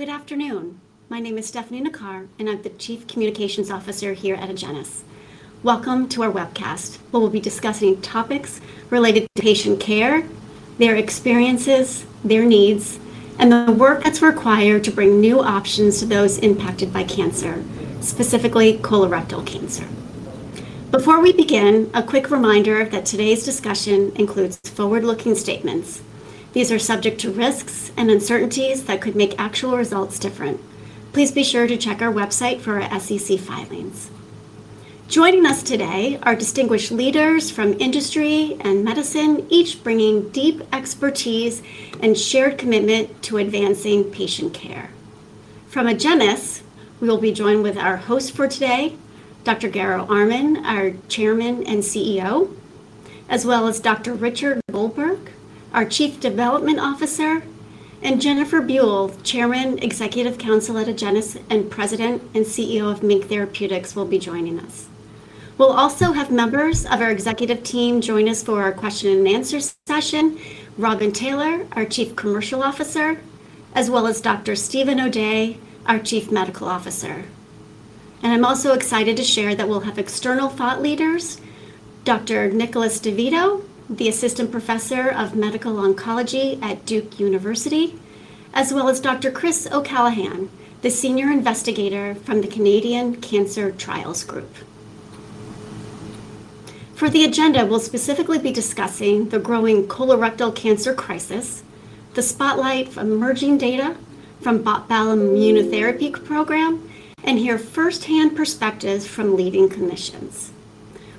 Good afternoon. My name is Stefanie Perna Nacar, and I'm the Chief Communications Officer here at Agenus. Welcome to our webcast, where we'll be discussing topics related to patient care, their experiences, their needs, and the work that's required to bring new options to those impacted by cancer, specifically colorectal cancer. Before we begin, a quick reminder that today's discussion includes forward-looking statements. These are subject to risks and uncertainties that could make actual results different. Please be sure to check our website for our SEC filings. Joining us today are distinguished leaders from industry and medicine, each bringing deep expertise and shared commitment to advancing patient care. From Agenus, we'll be joined with our host for today, Dr. Garo Armen, our Chairman and CEO, as well as Dr. Richard Goldberg, our Chief Development Officer, and Jennifer Buell, Chairman and Executive Counsel at Agenus and President and CEO of MiNK Therapeutics, will be joining us. We'll also have members of our executive team join us for our question and answer session, Robin Taylor, our Chief Commercial Officer, as well as Dr. Steven O'Day, our Chief Medical Officer. I'm also excited to share that we'll have external thought leaders, Dr. Nicholas DeVito, the Assistant Professor of Medical Oncology at Duke University, as well as Dr. Chris O'Callaghan, the Senior Investigator from the Canadian Cancer Trials Group. For the agenda, we'll specifically be discussing the growing colorectal cancer crisis, the spotlight on emerging data from the Botensilimab immunotherapy program, and hear firsthand perspectives from leading clinicians.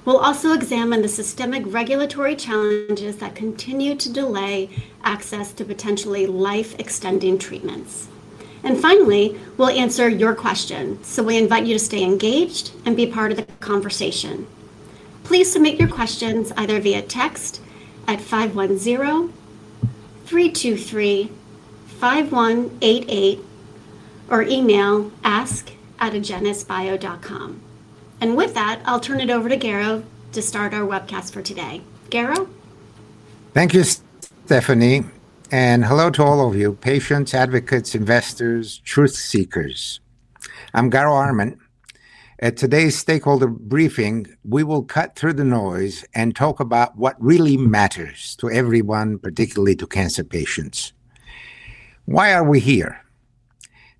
We'll also examine the systemic regulatory challenges that continue to delay access to potentially life-extending treatments. Finally, we'll answer your questions, so we invite you to stay engaged and be part of the conversation. Please submit your questions either via text at 510-323-5188 or email ask@agenusbio.com. With that, I'll turn it over to Garo to start our webcast for today. Garo? Thank you, Stefanie, and hello to all of you, patients, advocates, investors, truth seekers. I'm Garo Armen. At today's stakeholder briefing, we will cut through the noise and talk about what really matters to everyone, particularly to cancer patients. Why are we here?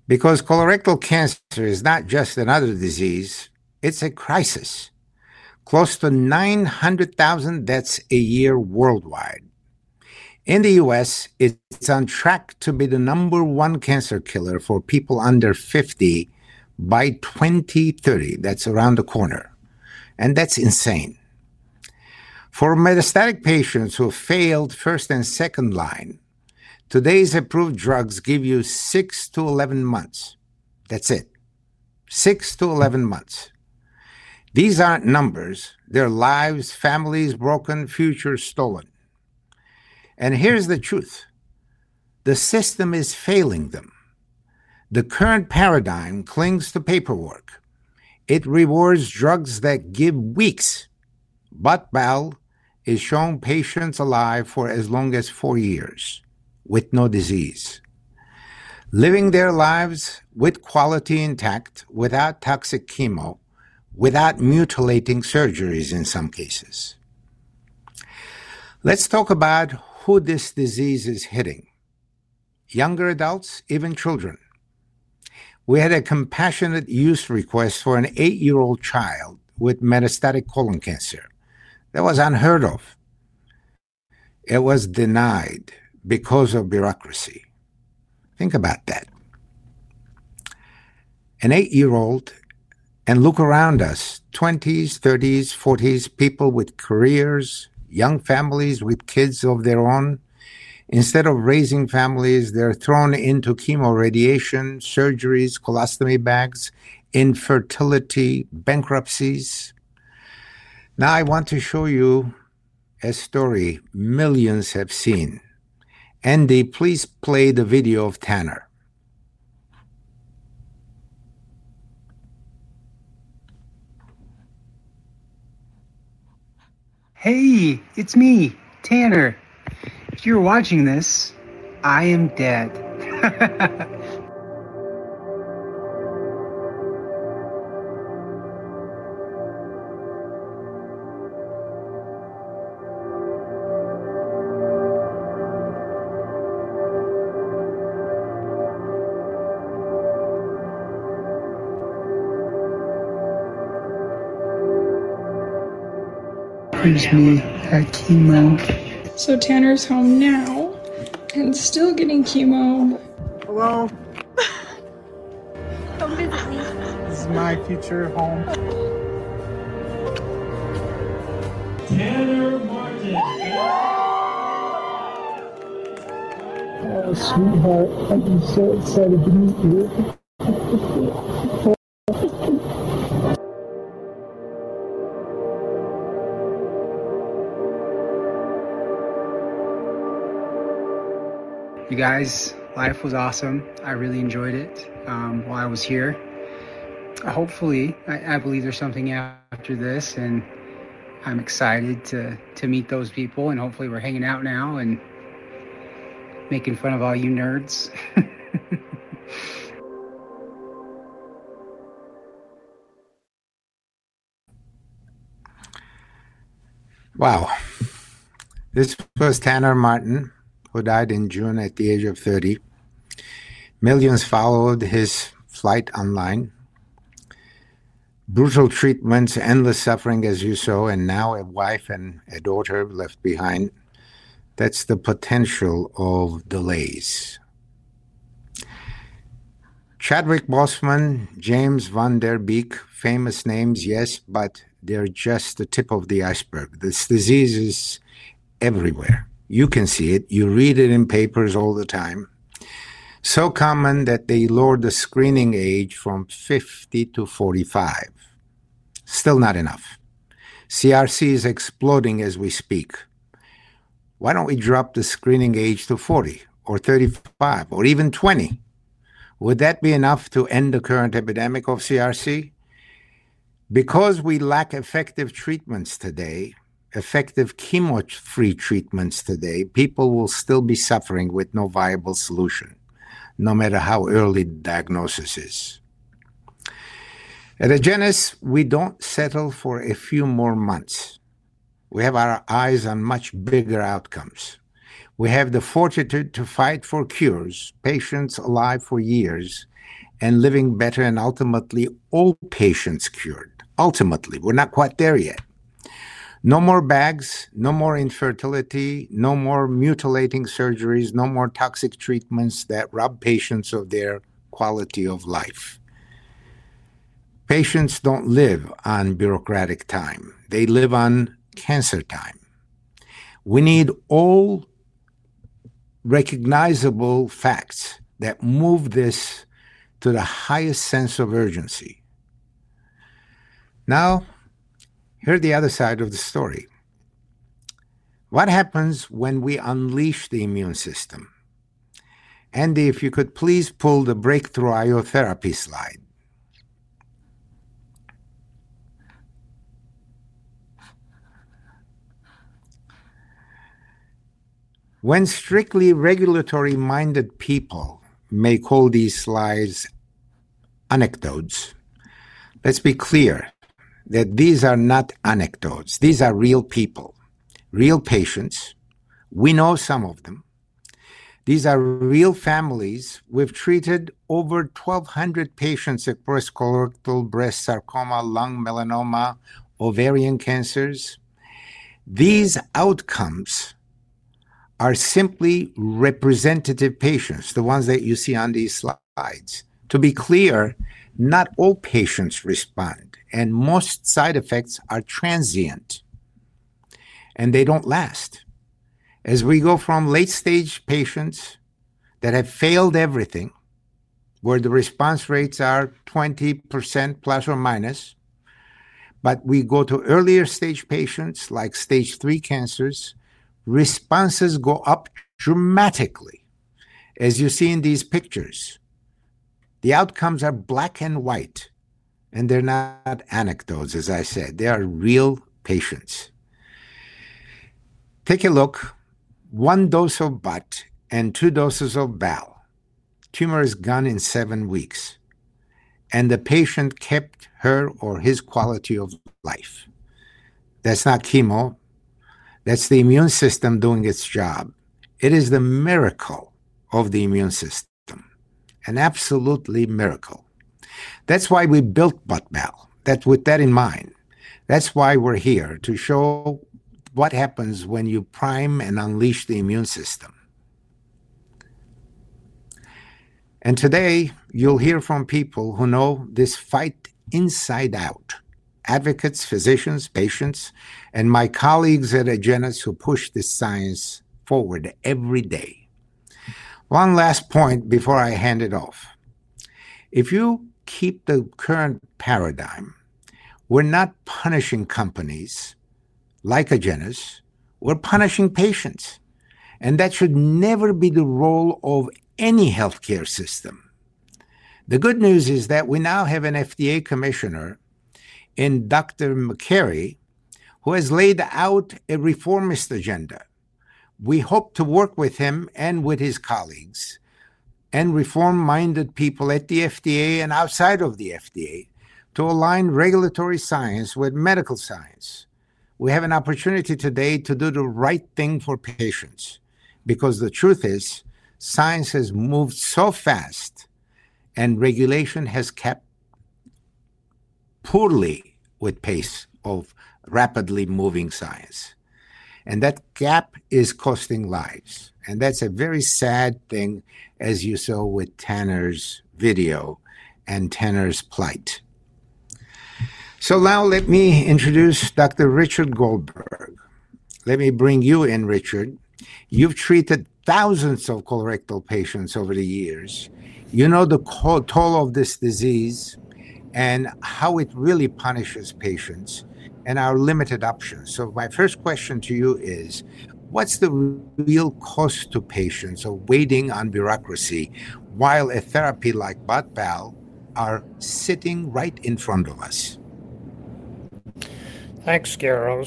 Because colorectal cancer is not just another disease. It's a crisis. Close to 900,000 deaths a year worldwide. In the U.S., it's on track to be the number one cancer killer for people under 50 by 2030. That's around the corner. That's insane. For metastatic patients who failed first and second line, today's approved drugs give you six to 11 months. That's it. six to 11 months. These aren't numbers. They're lives, families broken, futures stolen. Here's the truth. The system is failing them. The current paradigm clings to paperwork. It rewards drugs that give weeks. Botensilimab is showing patients alive for as long as four years with no disease, living their lives with quality intact, without toxic chemo, without mutilating surgeries in some cases. Let's talk about who this disease is hitting: younger adults, even children. We had a compassionate use request for an eight-year-old child with metastatic colon cancer. That was unheard of. It was denied because of bureaucracy. Think about that. An eight-year-old, and look around us, 20s, 30s, 40s, people with careers, young families with kids of their own. Instead of raising families, they're thrown into chemo, radiation, surgeries, colostomy bags, infertility, bankruptcies. Now I want to show you a story millions have seen. Andy, please play the video of Tanner. Hey, it's me, Tanner. If you're watching this, I am dead. Excuse me, I had chemo. Tanner's home now and still getting chemo. Well. Don't visit me. This is my future home. You guys, life was awesome. I really enjoyed it while I was here. Hopefully, I believe there's something after this, and I'm excited to meet those people. Hopefully, we're hanging out now and making fun of all you nerds. Wow. This was Tanner Martin, who died in June at the age of 30. Millions followed his fight online. Brutal treatments, endless suffering, as you saw, and now a wife and a daughter left behind. That's the potential of delays. Chadwick Boseman, James Van Der Beek, famous names, yes, but they're just the tip of the iceberg. This disease is everywhere. You can see it. You read it in papers all the time. So common that they lowered the screening age from 50 to 45. Still not enough. CRC is exploding as we speak. Why don't we drop the screening age to 40 or 35 or even 20? Would that be enough to end the current epidemic of CRC? Because we lack effective treatments today, effective chemo-free treatments today, people will still be suffering with no viable solution, no matter how early the diagnosis is. At Agenus, we don't settle for a few more months. We have our eyes on much bigger outcomes. We have the fortitude to fight for cures, patients alive for years, and living better, and ultimately all patients cured. Ultimately, we're not quite there yet. No more bags, no more infertility, no more mutilating surgeries, no more toxic treatments that rob patients of their quality of life. Patients don't live on bureaucratic time. They live on cancer time. We need all recognizable facts that move this to the highest sense of urgency. Now, here's the other side of the story. What happens when we unleash the immune system? Andy, if you could please pull the breakthrough immunotherapy slide. When strictly regulatory-minded people may call these slides anecdotes, let's be clear that these are not anecdotes. These are real people, real patients. We know some of them. These are real families. We've treated over 1,200 patients at first colorectal, breast, sarcoma, lung, melanoma, ovarian cancers. These outcomes are simply representative patients, the ones that you see on these slides. To be clear, not all patients respond, and most side effects are transient, and they don't last. As we go from late-stage patients that have failed everything, where the response rates are ±20%, but we go to earlier stage patients like stage III cancers, responses go up dramatically, as you see in these pictures. The outcomes are black and white, and they're not anecdotes, as I said. They are real patients. Take a look. One dose of Botensilimab and two doses of Botensilimab. Tumor is gone in seven weeks, and the patient kept her or his quality of life. That's not chemo. That's the immune system doing its job. It is the miracle of the immune system, an absolute miracle. That's why we built Botensilimab, with that in mind. That's why we're here, to show what happens when you prime and unleash the immune system. Today, you'll hear from people who know this fight inside out: advocates, physicians, patients, and my colleagues at Agenus who push this science forward every day. One last point before I hand it off. If you keep the current paradigm, we're not punishing companies like Agenus. We're punishing patients. That should never be the role of any healthcare system. The good news is that we now have an FDA commissioner in Dr. McCarry, who has laid out a reformist agenda. We hope to work with him and with his colleagues and reform-minded people at the FDA and outside of the FDA to align regulatory science with medical science. We have an opportunity today to do the right thing for patients because the truth is, science has moved so fast and regulation has kept poorly with the pace of rapidly moving science. That gap is costing lives. That's a very sad thing, as you saw with Tanner's video and Tanner's plight. Now let me introduce Dr. Richard Goldberg. Let me bring you in, Richard. You've treated thousands of colorectal patients over the years. You know the toll of this disease and how it really punishes patients and our limited options. My first question to you is, what's the real cost to patients of waiting on bureaucracy while a therapy like Botensilimab is sitting right in front of us? Thanks, Garo.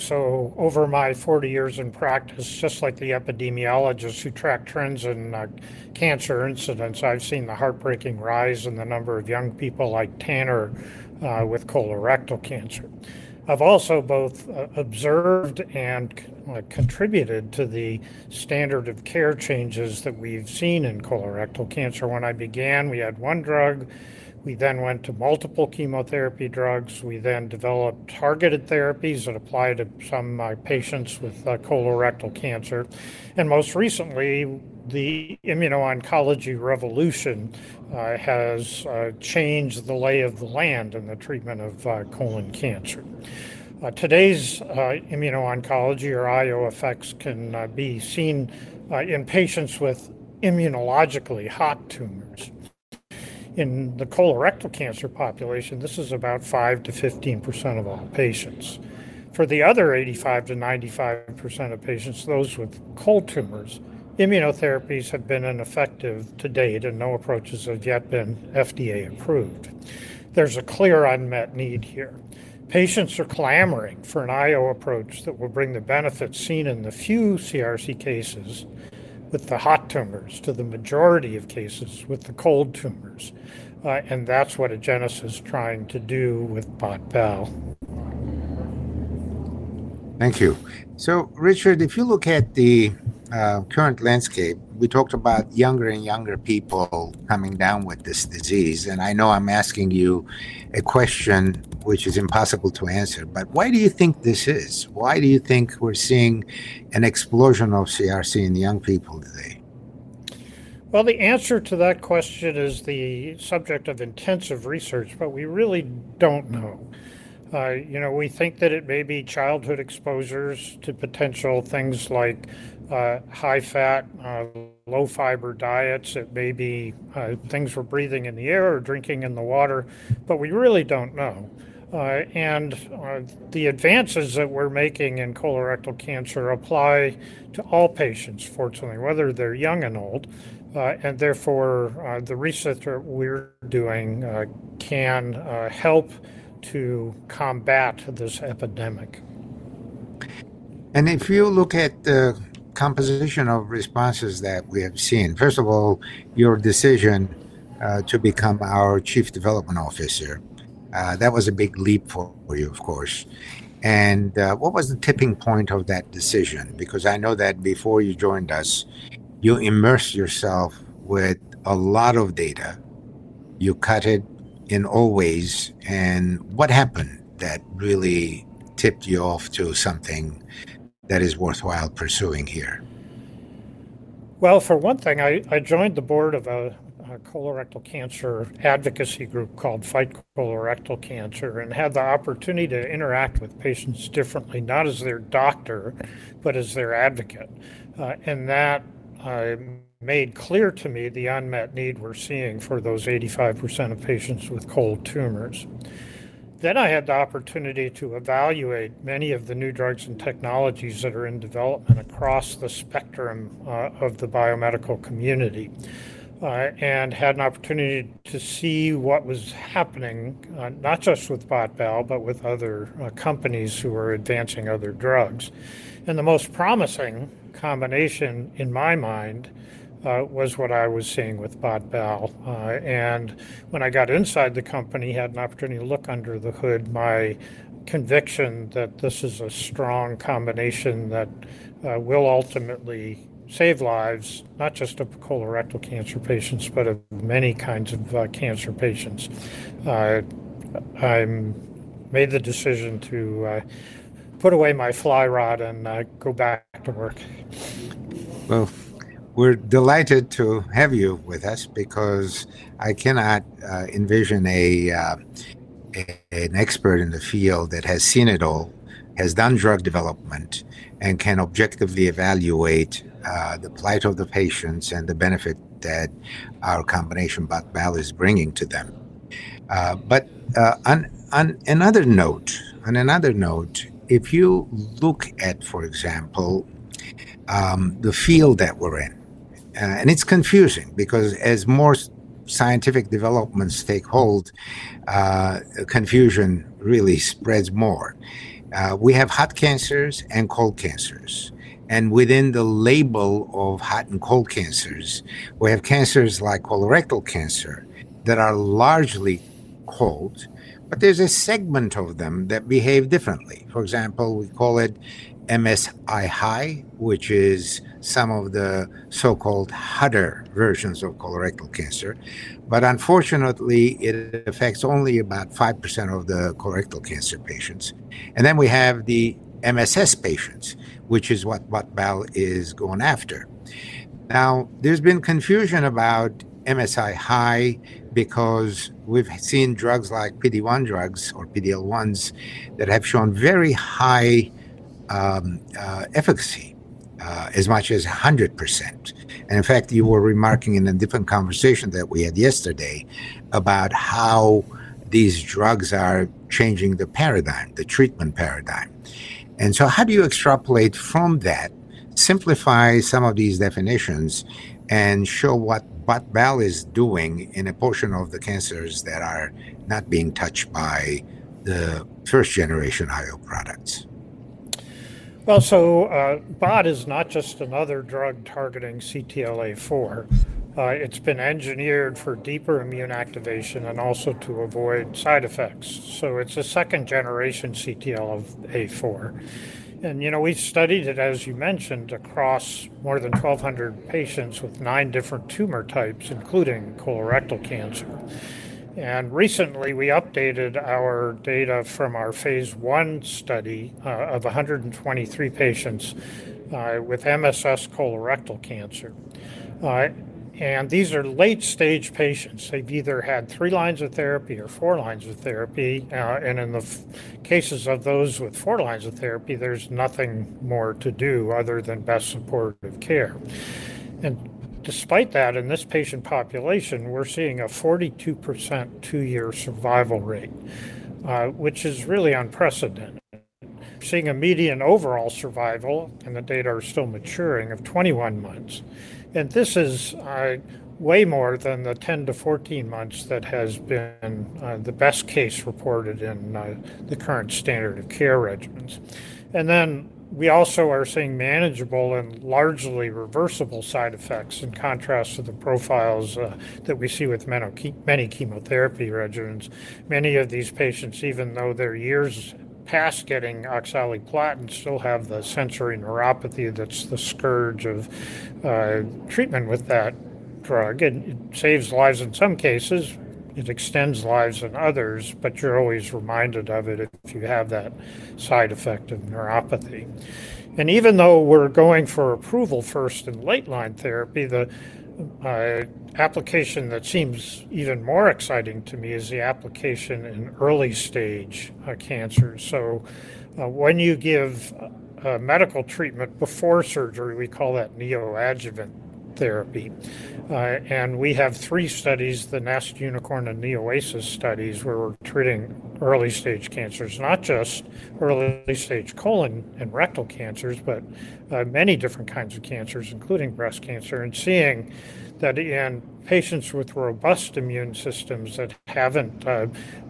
Over my 40 years in practice, just like the epidemiologists who track trends in cancer incidence, I've seen the heartbreaking rise in the number of young people like Tanner with colorectal cancer. I've also both observed and contributed to the standard-of-care changes that we've seen in colorectal cancer. When I began, we had one drug. We then went to multiple chemotherapy drugs. We then developed targeted therapies that applied to some of my patients with colorectal cancer. Most recently, the immuno-oncology revolution has changed the lay of the land in the treatment of colon cancer. Today's immuno-oncology or IO effects can be seen in patients with immunologically hot tumors. In the colorectal cancer population, this is about 5%-15% of all patients. For the other 85%-95% of patients, those with cold tumors, immunotherapies have been ineffective to date, and no approaches have yet been FDA approved. There's a clear unmet need here. Patients are clamoring for an IO approach that will bring the benefits seen in the few CRC cases with the hot tumors to the majority of cases with the cold tumors. That's what Agenus is trying to do with Botensilimab. Thank you. Richard, if you look at the current landscape, we talked about younger and younger people coming down with this disease. I know I'm asking you a question which is impossible to answer, but why do you think this is? Why do you think we're seeing an explosion of CRC in young people today? The answer to that question is the subject of intensive research, but we really don't know. We think that it may be childhood exposures to potential things like high fat, low fiber diets. It may be things we're breathing in the air or drinking in the water, but we really don't know. The advances that we're making in colorectal cancer apply to all patients, fortunately, whether they're young or old. Therefore, the research that we're doing can help to combat this epidemic. If you look at the composition of responses that we have seen, first of all, your decision to become our Chief Development Officer, that was a big leap for you, of course. What was the tipping point of that decision? I know that before you joined us, you immersed yourself with a lot of data. You cut it in all ways. What happened that really tipped you off to something that is worthwhile pursuing here? I joined the board of a colorectal cancer advocacy group called Fight Colorectal Cancer and had the opportunity to interact with patients differently, not as their doctor, but as their advocate. That made clear to me the unmet need we're seeing for those 85% of patients with cold tumors. I had the opportunity to evaluate many of the new drugs and technologies that are in development across the spectrum of the biomedical community and had an opportunity to see what was happening, not just with Botensilimab, but with other companies who were advancing other drugs. The most promising combination, in my mind, was what I was seeing with Botensilimab. When I got inside the company, I had an opportunity to look under the hood. My conviction that this is a strong combination that will ultimately save lives, not just of colorectal cancer patients, but of many kinds of cancer patients. I made the decision to put away my fly rod and go back to work. We're delighted to have you with us because I cannot envision an expert in the field that has seen it all, has done drug development, and can objectively evaluate the plight of the patients and the benefit that our combination, Botensilimab, is bringing to them. On another note, if you look at, for example, the field that we're in, it's confusing because as more scientific developments take hold, confusion really spreads more. We have hot cancers and cold cancers. Within the label of hot and cold cancers, we have cancers like colorectal cancer that are largely cold, but there's a segment of them that behave differently. For example, we call it MSI high, which is some of the so-called hotter versions of colorectal cancer. Unfortunately, it affects only about 5% of the colorectal cancer patients. Then we have the MSS patients, which is what Botensilimab is going after. There's been confusion about MSI high because we've seen drugs like PD-1 drugs or PD-L1s that have shown very high efficacy, as much as 100%. In fact, you were remarking in a different conversation that we had yesterday about how these drugs are changing the paradigm, the treatment paradigm. How do you extrapolate from that, simplify some of these definitions, and show what Botensilimab is doing in a portion of the cancers that are not being touched by the first-generation IO products? Botensilimab is not just another drug targeting CTLA-4. It's been engineered for deeper immune activation and also to avoid side effects. It's a second-generation CTLA-4. We've studied it, as you mentioned, across more than 1,200 patients with nine different tumor types, including colorectal cancer. Recently, we updated our data from our Phase I study of 123 patients with MSS colorectal cancer. These are late-stage patients. They've either had three lines of therapy or four lines of therapy. In the cases of those with four lines of therapy, there's nothing more to do other than best supportive care. Despite that, in this patient population, we're seeing a 42% two-year survival rate, which is really unprecedented. Seeing a median overall survival, and the data are still maturing, of 21 months. This is way more than the 10-14 months that has been the best case reported in the current standard-of-care regimens. We also are seeing manageable and largely reversible side effects in contrast to the profiles that we see with many chemotherapy regimens. Many of these patients, even though they're years past getting oxaliplatin, still have the sensory neuropathy that's the scourge of treatment with that drug. It saves lives in some cases. It extends lives in others, but you're always reminded of it if you have that side effect of neuropathy. Even though we're going for approval first in late-line therapy, the application that seems even more exciting to me is the application in early-stage cancers. When you give a medical treatment before surgery, we call that neoadjuvant therapy. We have three studies, the Nest, Unicorn, and NeoASIS studies, where we're treating early-stage cancers, not just early-stage colon and rectal cancers, but many different kinds of cancers, including breast cancer. Seeing that in patients with robust immune systems that haven't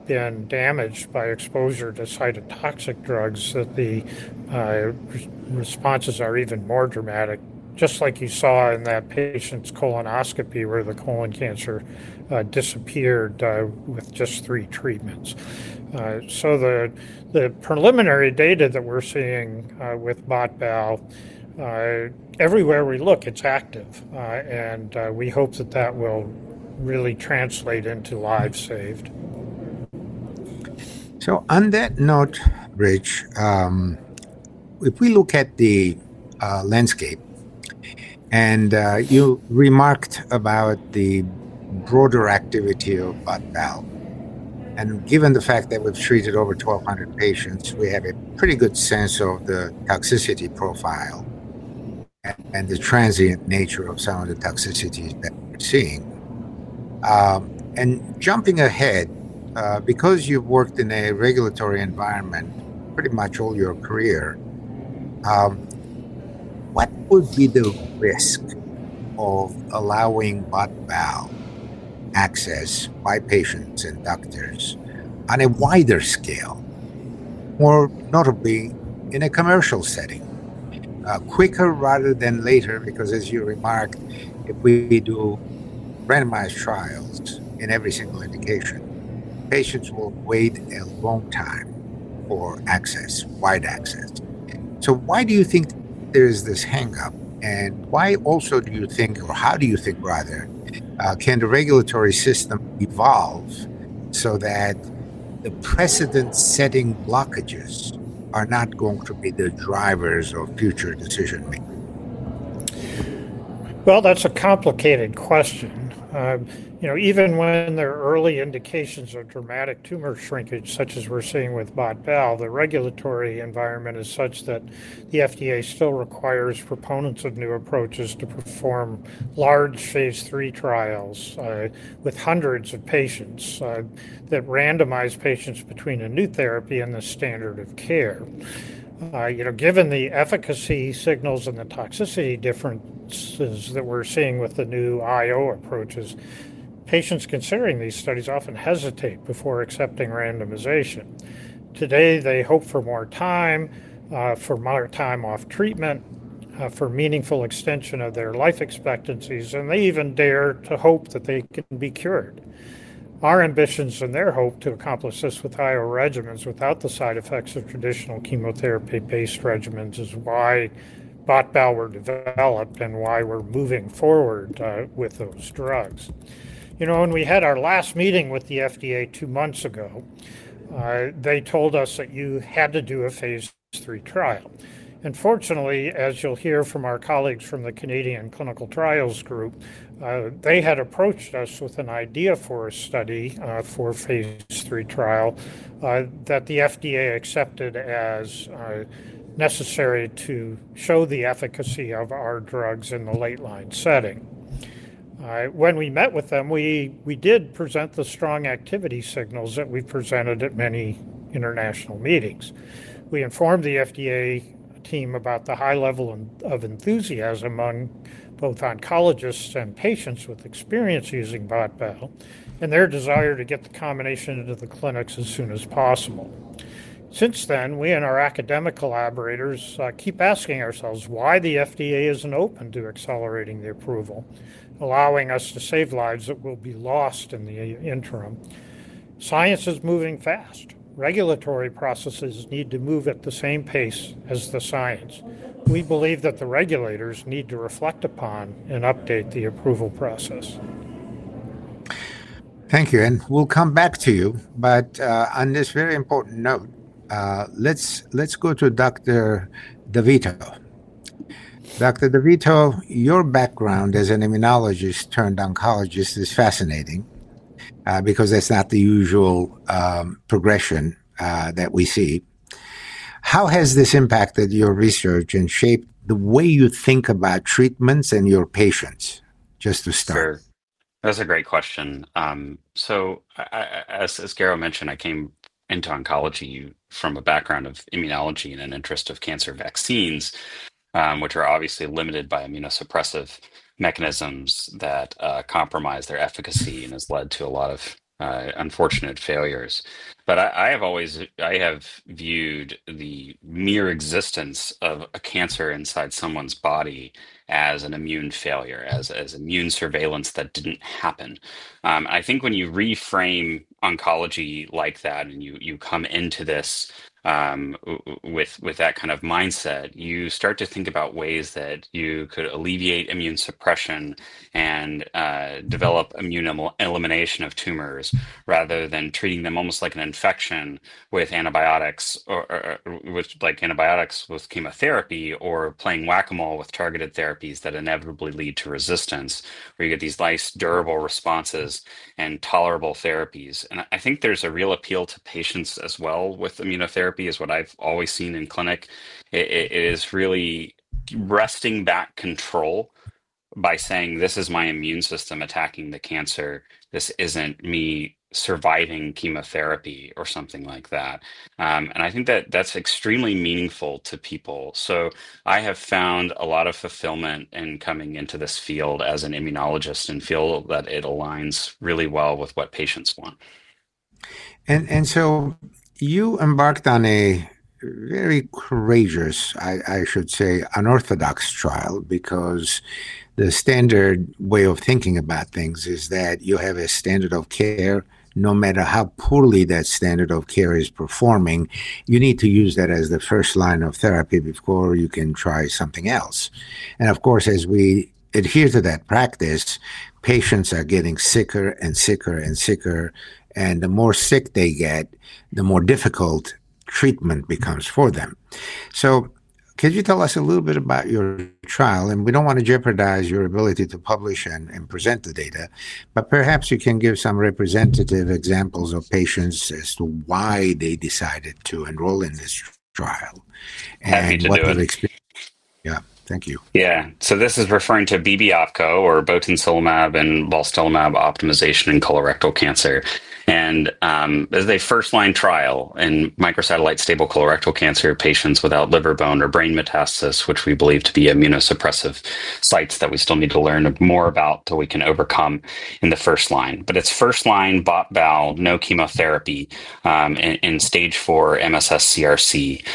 been damaged by exposure to cytotoxic drugs, the responses are even more dramatic, just like you saw in that patient's colonoscopy where the colon cancer disappeared with just three treatments. The preliminary data that we're seeing with botensilimab, everywhere we look, it's active. We hope that will really translate into lives saved. On that note, Rich, if we look at the landscape, and you remarked about the broader activity of Botensilimab, and given the fact that we've treated over 1,200 patients, we have a pretty good sense of the toxicity profile and the transient nature of some of the toxicities that we're seeing. Jumping ahead, because you've worked in a regulatory environment pretty much all your career, what would be the risk of allowing Botensilimab access by patients and doctors on a wider scale, more notably in a commercial setting? Quicker rather than later, because as you remarked, if we do randomized trials in every single indication, patients will wait a long time for access, wide access. Why do you think there is this hang-up? Why also do you think, or how do you think rather, can the regulatory system evolve so that the precedent-setting blockages are not going to be the drivers of future decision-making? That's a complicated question. You know, even when the early indications are dramatic tumor shrinkage, such as we're seeing with Botensilimab, the regulatory environment is such that the FDA still requires proponents of new approaches to perform large Phase III trials with hundreds of patients that randomize patients between a new therapy and the standard of care. You know, given the efficacy signals and the toxicity differences that we're seeing with the new immuno-oncology approaches, patients considering these studies often hesitate before accepting randomization. Today, they hope for more time, for more time off treatment, for meaningful extension of their life expectancies, and they even dare to hope that they can be cured. Our ambitions and their hope to accomplish this with immuno-oncology regimens without the side effects of traditional chemotherapy-based regimens is why Botensilimab was developed and why we're moving forward with those drugs. You know, when we had our last meeting with the FDA two months ago, they told us that you had to do a Phase III trial. Fortunately, as you'll hear from our colleagues from the Canadian Cancer Trials Group, they had approached us with an idea for a study for a Phase III trial that the FDA accepted as necessary to show the efficacy of our drugs in the late-line setting. When we met with them, we did present the strong activity signals that we presented at many international meetings. We informed the FDA team about the high level of enthusiasm among both oncologists and patients with experience using Botensilimab and their desire to get the combination into the clinics as soon as possible. Since then, we and our academic collaborators keep asking ourselves why the FDA isn't open to accelerating the approval, allowing us to save lives that will be lost in the interim. Science is moving fast. Regulatory processes need to move at the same pace as the science. We believe that the regulators need to reflect upon and update the approval process. Thank you. We'll come back to you. On this very important note, let's go to Dr. DeVito. Dr. DeVito, your background as an immunologist turned oncologist is fascinating because that's not the usual progression that we see. How has this impacted your research and shaped the way you think about treatments and your patients? Just to start. That's a great question. As Garo mentioned, I came into oncology from a background of immunology and an interest of cancer vaccines, which are obviously limited by immunosuppressive mechanisms that compromise their efficacy and have led to a lot of unfortunate failures. I have always viewed the mere existence of a cancer inside someone's body as an immune failure, as immune surveillance that didn't happen. I think when you reframe oncology like that and you come into this with that kind of mindset, you start to think about ways that you could alleviate immune suppression and develop immune elimination of tumors rather than treating them almost like an infection with antibiotics, like antibiotics with chemotherapy, or playing whack-a-mole with targeted therapies that inevitably lead to resistance, where you get these life, durable responses, and tolerable therapies. I think there's a real appeal to patients as well with immunotherapy, is what I've always seen in clinic. It is really resting back control by saying, "This is my immune system attacking the cancer. This isn't me surviving chemotherapy," or something like that. I think that that's extremely meaningful to people. I have found a lot of fulfillment in coming into this field as an immunologist and feel that it aligns really well with what patients want. You embarked on a very courageous, I should say, unorthodox trial because the standard way of thinking about things is that you have a standard-of-care. No matter how poorly that standard-of-care is performing, you need to use that as the first line of therapy before you can try something else. As we adhere to that practice, patients are getting sicker and sicker and sicker. The more sick they get, the more difficult treatment becomes for them. Can you tell us a little bit about your trial? We don't want to jeopardize your ability to publish and present the data, but perhaps you can give some representative examples of patients as to why they decided to enroll in this trial and what their experience was. Yeah, thank you. This is referring to botensilimab and balstilimab optimization in colorectal cancer. This is a first-line trial in microsatellite stable colorectal cancer patients without liver, bone, or brain metastasis, which we believe to be immunosuppressive sites that we still need to learn more about so we can overcome in the first line. It's first-line botensilimab, no chemotherapy, in stage IV MSS CRC.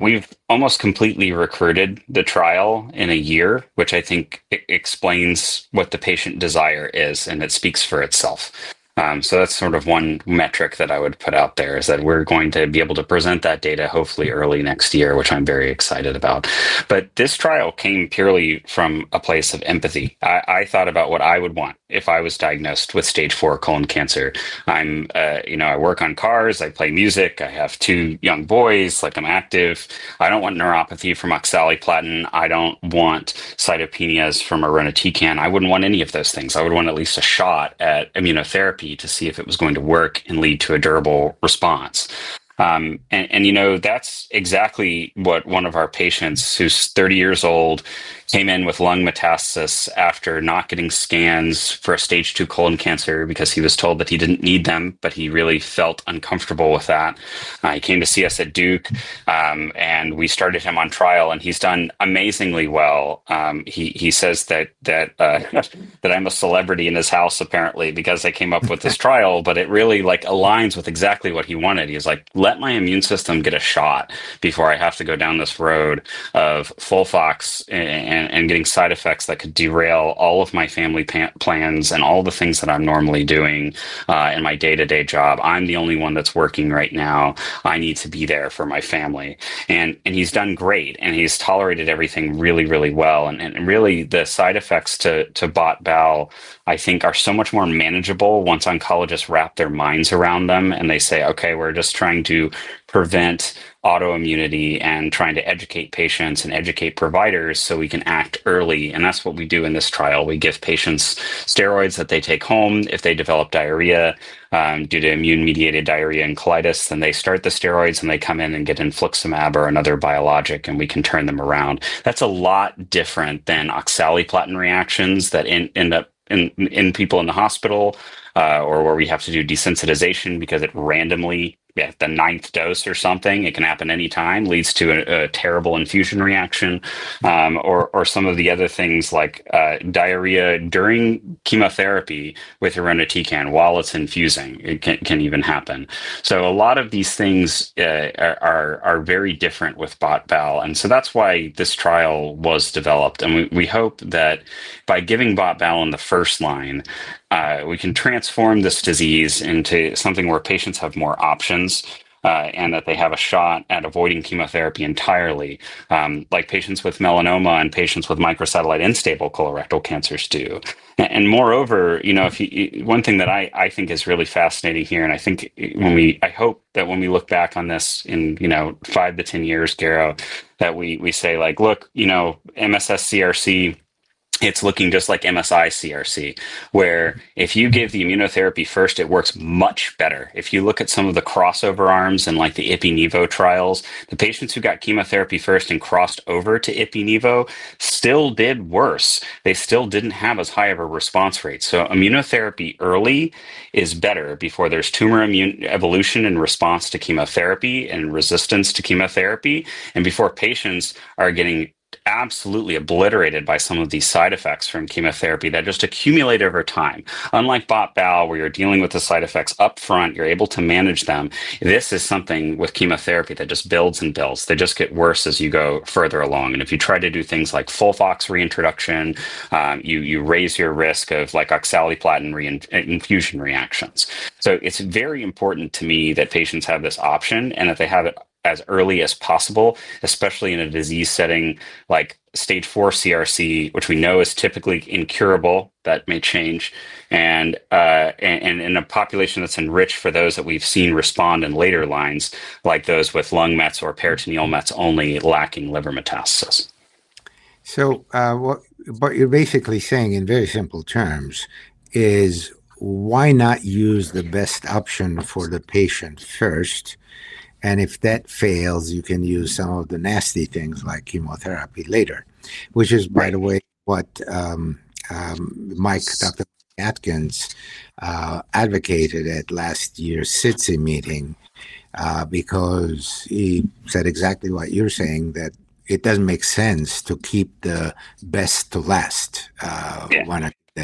We've almost completely recruited the trial in a year, which I think explains what the patient desire is, and it speaks for itself. That's sort of one metric that I would put out there, is that we're going to be able to present that data hopefully early next year, which I'm very excited about. This trial came purely from a place of empathy. I thought about what I would want if I was diagnosed with stage IV colon cancer. I work on cars. I play music. I have two young boys. I'm active. I don't want neuropathy from oxaliplatin. I don't want cytopenias from irinotecan. I wouldn't want any of those things. I would want at least a shot at immunotherapy to see if it was going to work and lead to a durable response. That's exactly what one of our patients, who's 30 years old, came in with lung metastasis after not getting scans for a stage II colon cancer because he was told that he didn't need them, but he really felt uncomfortable with that. He came to see us at Duke University, and we started him on trial, and he's done amazingly well. He says that I'm a celebrity in his house apparently because I came up with this trial, but it really aligns with exactly what he wanted. He's like, "Let my immune system get a shot before I have to go down this road of FOLFOX and getting side effects that could derail all of my family plans and all the things that I'm normally doing in my day-to-day job. I'm the only one that's working right now. I need to be there for my family." He's done great, and he's tolerated everything really, really well. The side effects to botensilimab, I think, are so much more manageable once oncologists wrap their minds around them, and they say, "Okay, we're just trying to prevent autoimmunity and trying to educate patients and educate providers so we can act early." That's what we do in this trial. We give patients steroids that they take home. If they develop diarrhea due to immune-mediated diarrhea and colitis, then they start the steroids, and they come in and get infliximab or another biologic, and we can turn them around. That's a lot different than oxaliplatin reactions that end up in people in the hospital or where we have to do desensitization because it randomly, at the ninth dose or something, it can happen anytime, leads to a terrible infusion reaction or some of the other things like diarrhea during chemotherapy with irinotecan while it's infusing can even happen. A lot of these things are very different with Botensilimab. That's why this trial was developed. We hope that by giving Botensilimab in the first line, we can transform this disease into something where patients have more options and that they have a shot at avoiding chemotherapy entirely, like patients with melanoma and patients with microsatellite unstable colorectal cancers do. Moreover, one thing that I think is really fascinating here, and I think when we, I hope that when we look back on this in, you know, five to ten years, Garo, that we say like, "Look, you know, MSS CRC, it's looking just like MSI CRC, where if you give the immunotherapy first, it works much better." If you look at some of the crossover arms in like the IPI/NIVO trials, the patients who got chemotherapy first and crossed over to IPI/NIVO still did worse. They still didn't have as high of a response rate. Immunotherapy early is better before there's tumor evolution in response to chemotherapy and resistance to chemotherapy, and before patients are getting absolutely obliterated by some of these side effects from chemotherapy that just accumulate over time. Unlike Botensilimab, where you're dealing with the side effects upfront, you're able to manage them. This is something with chemotherapy that just builds and builds. They just get worse as you go further along. If you try to do things like FOLFOX reintroduction, you raise your risk of like oxaliplatin infusion reactions. It's very important to me that patients have this option and that they have it as early as possible, especially in a disease setting like stage IV CRC, which we know is typically incurable, but may change, and in a population that's enriched for those that we've seen respond in later lines, like those with lung mets or peritoneal mets only lacking liver metastasis. What you're basically saying in very simple terms is why not use the best option for the patient first? If that fails, you can use some of the nasty things like chemotherapy later, which is, by the way, what Dr. Atkins advocated at last year's SITSI meeting because he said exactly what you're saying, that it doesn't make sense to keep the best to last.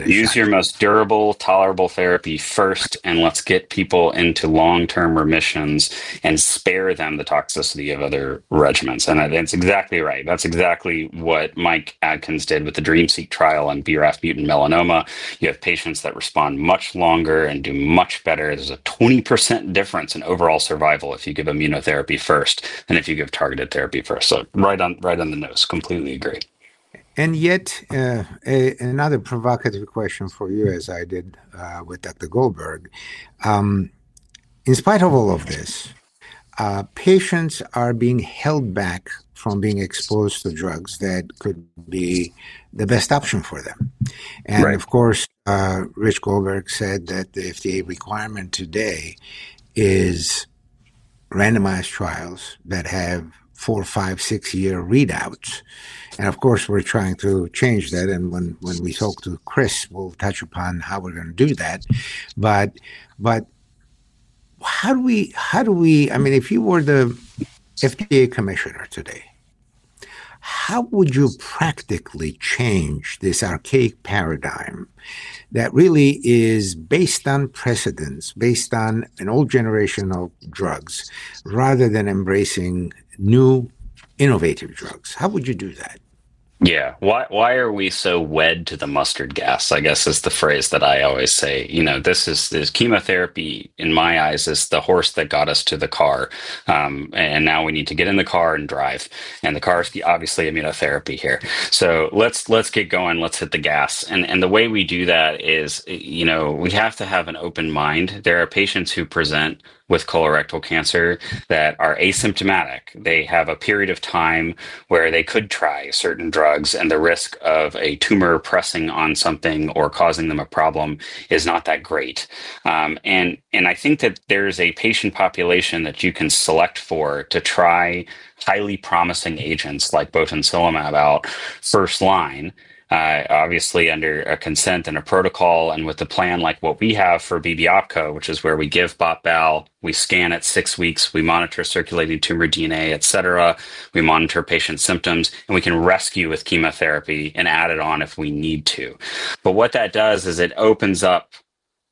Use your most durable, tolerable therapy first, and let's get people into long-term remissions and spare them the toxicity of other regimens. That's exactly right. That's exactly what Mike Atkins did with the DREAMseq trial on BRAF mutant melanoma. You have patients that respond much longer and do much better. There's a 20% difference in overall survival if you give immunotherapy first and if you give targeted therapy first. Right on the nose. Completely agree. Yet, another provocative question for you, as I did with Dr. Richard Goldberg. In spite of all of this, patients are being held back from being exposed to drugs that could be the best option for them. Of course, Dr. Richard Goldberg said that the FDA requirement today is randomized trials that have four, five, six-year readouts. We're trying to change that. When we talk to Dr. Chris O'Callaghan, we'll touch upon how we're going to do that. How do we, I mean, if you were the FDA Commissioner today, how would you practically change this archaic paradigm that really is based on precedents, based on an old generation of drugs, rather than embracing new innovative drugs? How would you do that? Yeah. Why are we so wed to the mustard gas, I guess, is the phrase that I always say. You know, this is chemotherapy, in my eyes, is the horse that got us to the car. Now we need to get in the car and drive. The car is obviously immunotherapy here. Let's get going. Let's hit the gas. The way we do that is, you know, we have to have an open mind. There are patients who present with colorectal cancer that are asymptomatic. They have a period of time where they could try certain drugs, and the risk of a tumor pressing on something or causing them a problem is not that great. I think that there is a patient population that you can select for to try highly promising agents like Botensilimab out first line, obviously under a consent and a protocol and with a plan like what we have for BBOpCo, which is where we give Botensilimab, we scan at six weeks, we monitor circulating tumor DNA, we monitor patient symptoms, and we can rescue with chemotherapy and add it on if we need to. What that does is it opens up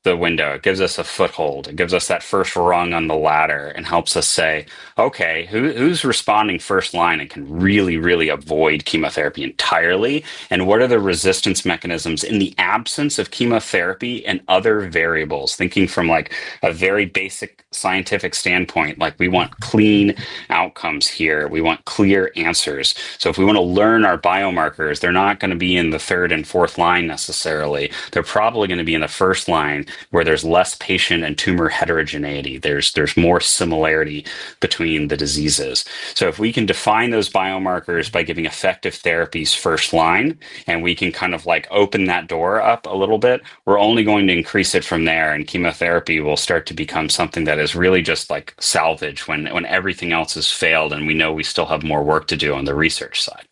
the window. It gives us a foothold. It gives us that first rung on the ladder and helps us say, "Okay, who's responding first line and can really, really avoid chemotherapy entirely? What are the resistance mechanisms in the absence of chemotherapy and other variables?" Thinking from a very basic scientific standpoint, we want clean outcomes here. We want clear answers. If we want to learn our biomarkers, they're not going to be in the third and fourth line necessarily. They're probably going to be in the first line where there's less patient and tumor heterogeneity. There's more similarity between the diseases. If we can define those biomarkers by giving effective therapies first line, and we can kind of open that door up a little bit, we're only going to increase it from there. Chemotherapy will start to become something that is really just like salvage when everything else has failed and we know we still have more work to do on the research side.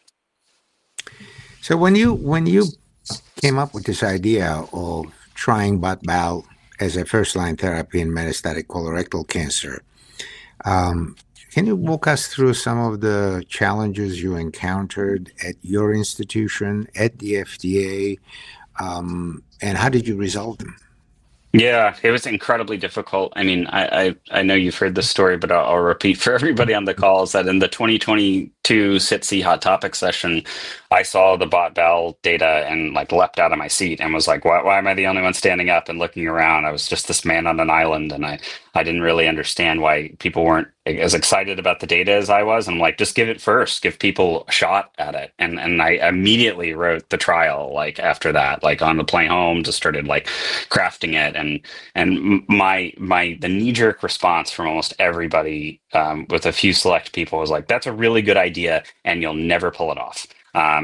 When you came up with this idea of trying Botensilimab as a first-line therapy in metastatic colorectal cancer, can you walk us through some of the challenges you encountered at your institution, at the FDA? How did you resolve them? Yeah, it was incredibly difficult. I know you've heard the story, but I'll repeat for everybody on the call that in the 2022 SITSI Hot Topic session, I saw the Botensilimab data and leapt out of my seat and was like, "Why am I the only one standing up and looking around? I was just this man on an island, and I didn't really understand why people weren't as excited about the data as I was." Like, "Just give it first. Give people a shot at it." I immediately wrote the trial after that, like on the plane home, just started crafting it. My knee-jerk response from almost everybody, with a few select people, was like, "That's a really good idea, and you'll never pull it off.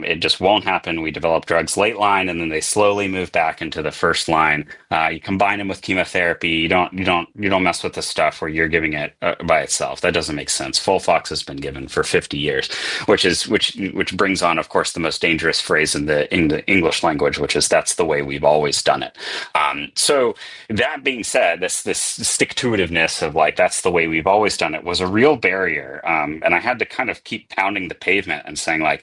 It just won't happen. We develop drugs late line, and then they slowly move back into the first line. You combine them with chemotherapy. You don't mess with the stuff where you're giving it by itself. That doesn't make sense. FOLFOX has been given for 50 years," which brings on, of course, the most dangerous phrase in the English language, which is, "That's the way we've always done it." That being said, this stick-to-itiveness of, "That's the way we've always done it," was a real barrier. I had to kind of keep pounding the pavement and saying, "I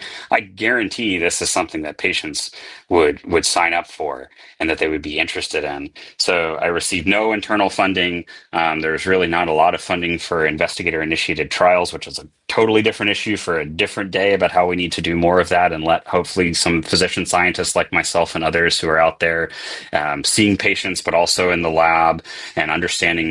guarantee this is something that patients would sign up for and that they would be interested in." I received no internal funding. There's really not a lot of funding for investigator-initiated trials, which is a totally different issue for a different day about how we need to do more of that and let hopefully some physician scientists like myself and others who are out there seeing patients, but also in the lab and understanding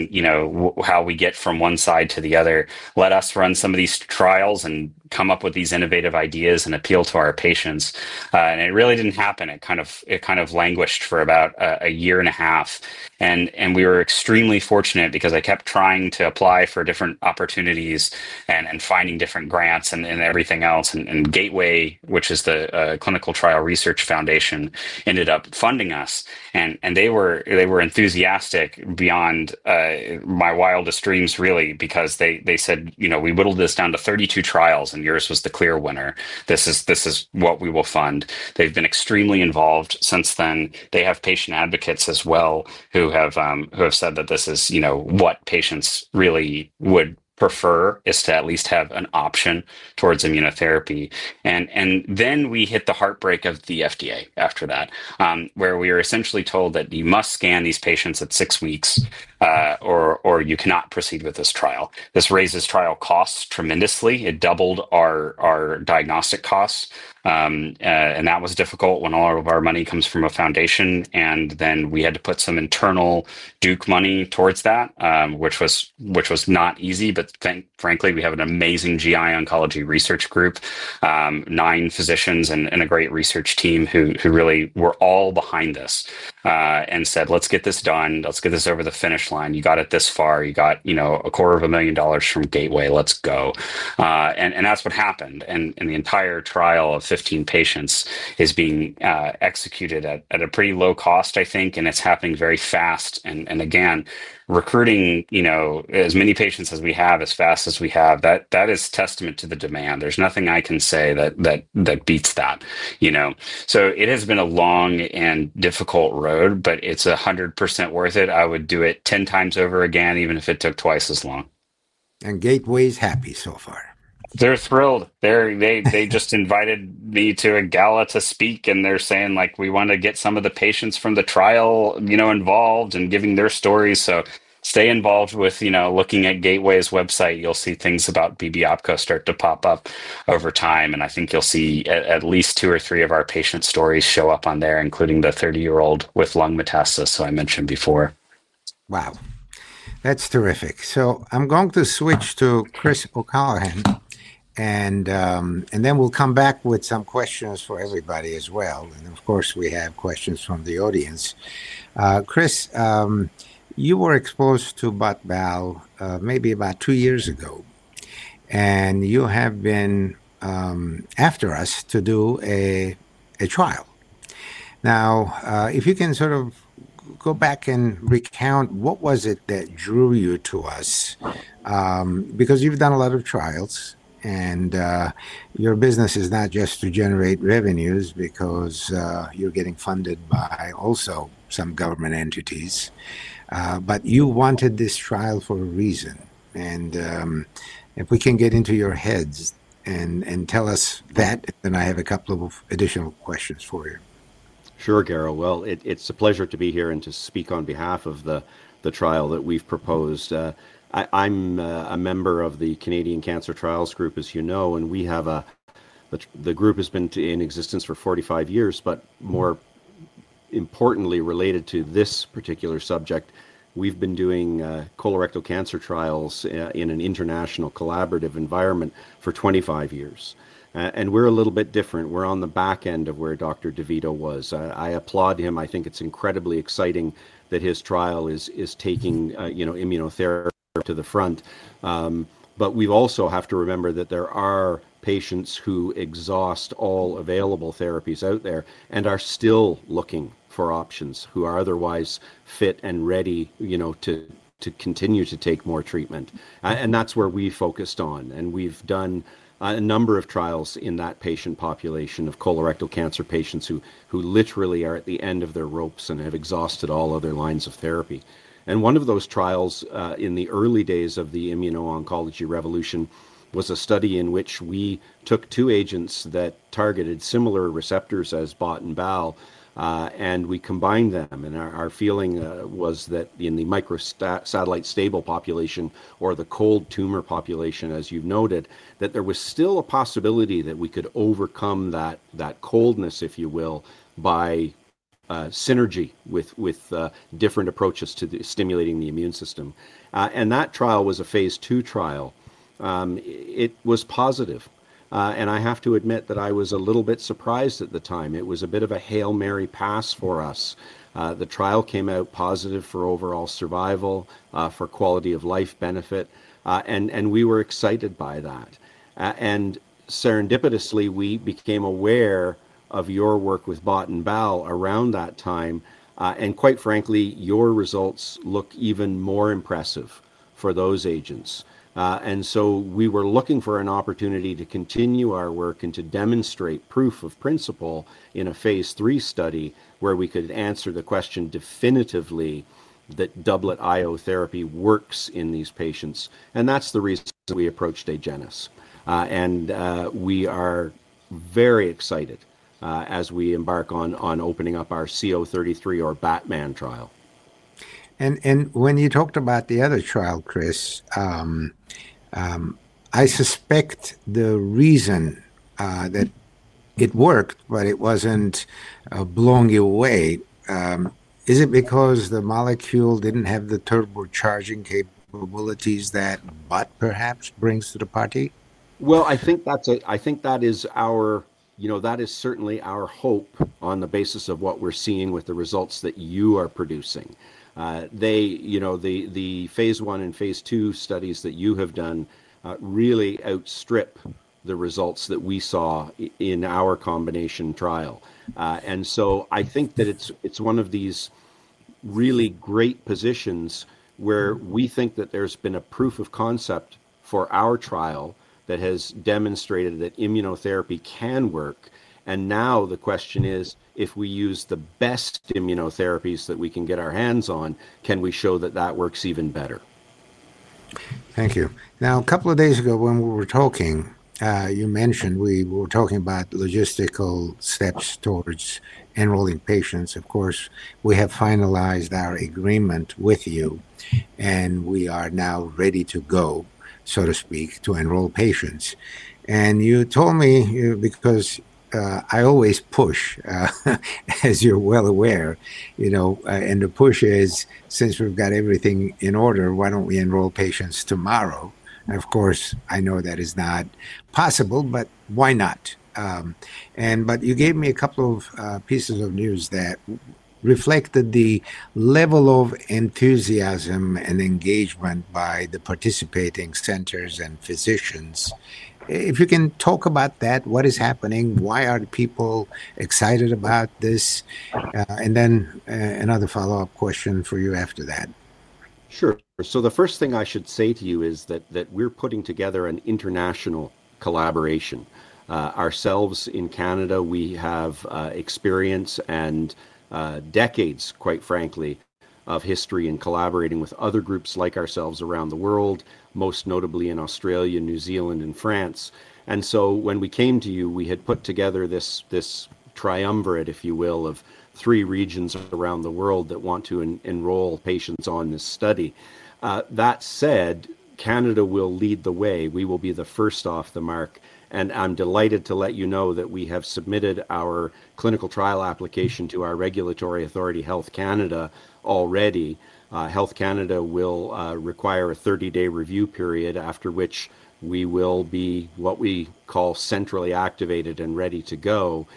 how we get from one side to the other. Let us run some of these trials and come up with these innovative ideas and appeal to our patients. It really didn't happen. It kind of languished for about a year and a half. We were extremely fortunate because I kept trying to apply for different opportunities and finding different grants and everything else. Gateway, which is the Clinical Trial Research Foundation, ended up funding us. They were enthusiastic beyond my wildest dreams, really, because they said, "You know, we whittled this down to 32 trials, and yours was the clear winner. This is what we will fund." They've been extremely involved since then. They have patient advocates as well who have said that this is, you know, what patients really would prefer is to at least have an option towards immunotherapy. We hit the heartbreak of the FDA after that, where we were essentially told that you must scan these patients at six weeks, or you cannot proceed with this trial. This raises trial costs tremendously. It doubled our diagnostic costs. That was difficult when all of our money comes from a foundation. We had to put some internal Duke money towards that, which was not easy. Frankly, we have an amazing GI oncology research group, nine physicians, and a great research team who really were all behind this and said, "Let's get this done. Let's get this over the finish line. You got it this far. You got, you know, $250,000 from Gateway. Let's go." That's what happened. The entire trial of 15 patients is being executed at a pretty low cost, I think, and it's happening very fast. Recruiting, you know, as many patients as we have, as fast as we have, that is testament to the demand. There's nothing I can say that beats that, you know. It has been a long and difficult road, but it's 100% worth it. I would do it 10 times over again, even if it took twice as long. Gateway is happy so far. They're thrilled. They just invited me to a gala to speak, and they're saying, "We want to get some of the patients from the trial, you know, involved and giving their stories." Stay involved with, you know, looking at Gateway's website. You'll see things about BBOpCo start to pop up over time. I think you'll see at least two or three of our patient stories show up on there, including the 30-year-old with lung metastasis I mentioned before. Wow. That's terrific. I'm going to switch to Dr. Chris O'Callaghan, and then we'll come back with some questions for everybody as well. Of course, we have questions from the audience. Chris, you were exposed to Botensilimab maybe about two years ago, and you have been after us to do a trial. If you can sort of go back and recount, what was it that drew you to us? You've done a lot of trials, and your business is not just to generate revenues because you're getting funded by also some government entities. You wanted this trial for a reason. If we can get into your heads and tell us that, I have a couple of additional questions for you. Sure, Garo. It's a pleasure to be here and to speak on behalf of the trial that we've proposed. I'm a member of the Canadian Cancer Trials Group, as you know. The group has been in existence for 45 years, but more importantly, related to this particular subject, we've been doing colorectal cancer trials in an international collaborative environment for 25 years. We're a little bit different. We're on the back end of where Dr. DeVito was. I applaud him. I think it's incredibly exciting that his trial is taking immunotherapy to the front. We also have to remember that there are patients who exhaust all available therapies out there and are still looking for options, who are otherwise fit and ready to continue to take more treatment. That's where we focused on. We've done a number of trials in that patient population of colorectal cancer patients who literally are at the end of their ropes and have exhausted all other lines of therapy. One of those trials in the early days of the immuno-oncology revolution was a study in which we took two agents that targeted similar receptors as Botensilimab, and we combined them. Our feeling was that in the microsatellite stable population, or the cold tumor population, as you've noted, there was still a possibility that we could overcome that coldness, if you will, by synergy with different approaches to stimulating the immune system. That trial was a Phase II trial. It was positive. I have to admit that I was a little bit surprised at the time. It was a bit of a Hail Mary pass for us. The trial came out positive for overall survival, for quality of life benefit. We were excited by that. Serendipitously, we became aware of your work with Botensilimab around that time. Quite frankly, your results look even more impressive for those agents. We were looking for an opportunity to continue our work and to demonstrate proof of principle in a Phase III study where we could answer the question definitively that doublet IO therapy works in these patients. That's the reason we approached Agenus. We are very excited as we embark on opening up our CO.33 or BATTMAN trial. When you talked about the other trial, Chris, I suspect the reason that it worked, but it wasn't blowing you away, is it because the molecule didn't have the turbocharging capabilities that Botensilimab perhaps brings to the party? I think that is our, you know, that is certainly our hope on the basis of what we're seeing with the results that you are producing. The phase I and phase II studies that you have done really outstrip the results that we saw in our combination trial. I think that it's one of these really great positions where we think that there's been a proof of concept for our trial that has demonstrated that immunotherapy can work. Now the question is, if we use the best immunotherapies that we can get our hands on, can we show that that works even better? Thank you. A couple of days ago, when we were talking, you mentioned we were talking about logistical steps towards enrolling patients. Of course, we have finalized our agreement with you, and we are now ready to go, so to speak, to enroll patients. You told me, because I always push, as you're well aware, you know, and the push is, since we've got everything in order, why don't we enroll patients tomorrow? I know that is not possible, but why not? You gave me a couple of pieces of news that reflected the level of enthusiasm and engagement by the participating centers and physicians. If you can talk about that, what is happening? Why aren't people excited about this? I have another follow-up question for you after that. Sure. The first thing I should say to you is that we're putting together an international collaboration. Ourselves in Canada, we have experience and decades, quite frankly, of history in collaborating with other groups like ourselves around the world, most notably in Australia, New Zealand, and France. When we came to you, we had put together this triumvirate, if you will, of three regions around the world that want to enroll patients on this study. That said, Canada will lead the way. We will be the first off the mark. I'm delighted to let you know that we have submitted our clinical trial application to our regulatory authority, Health Canada, already. Health Canada will require a 30-day review period, after which we will be what we call centrally activated and ready to go.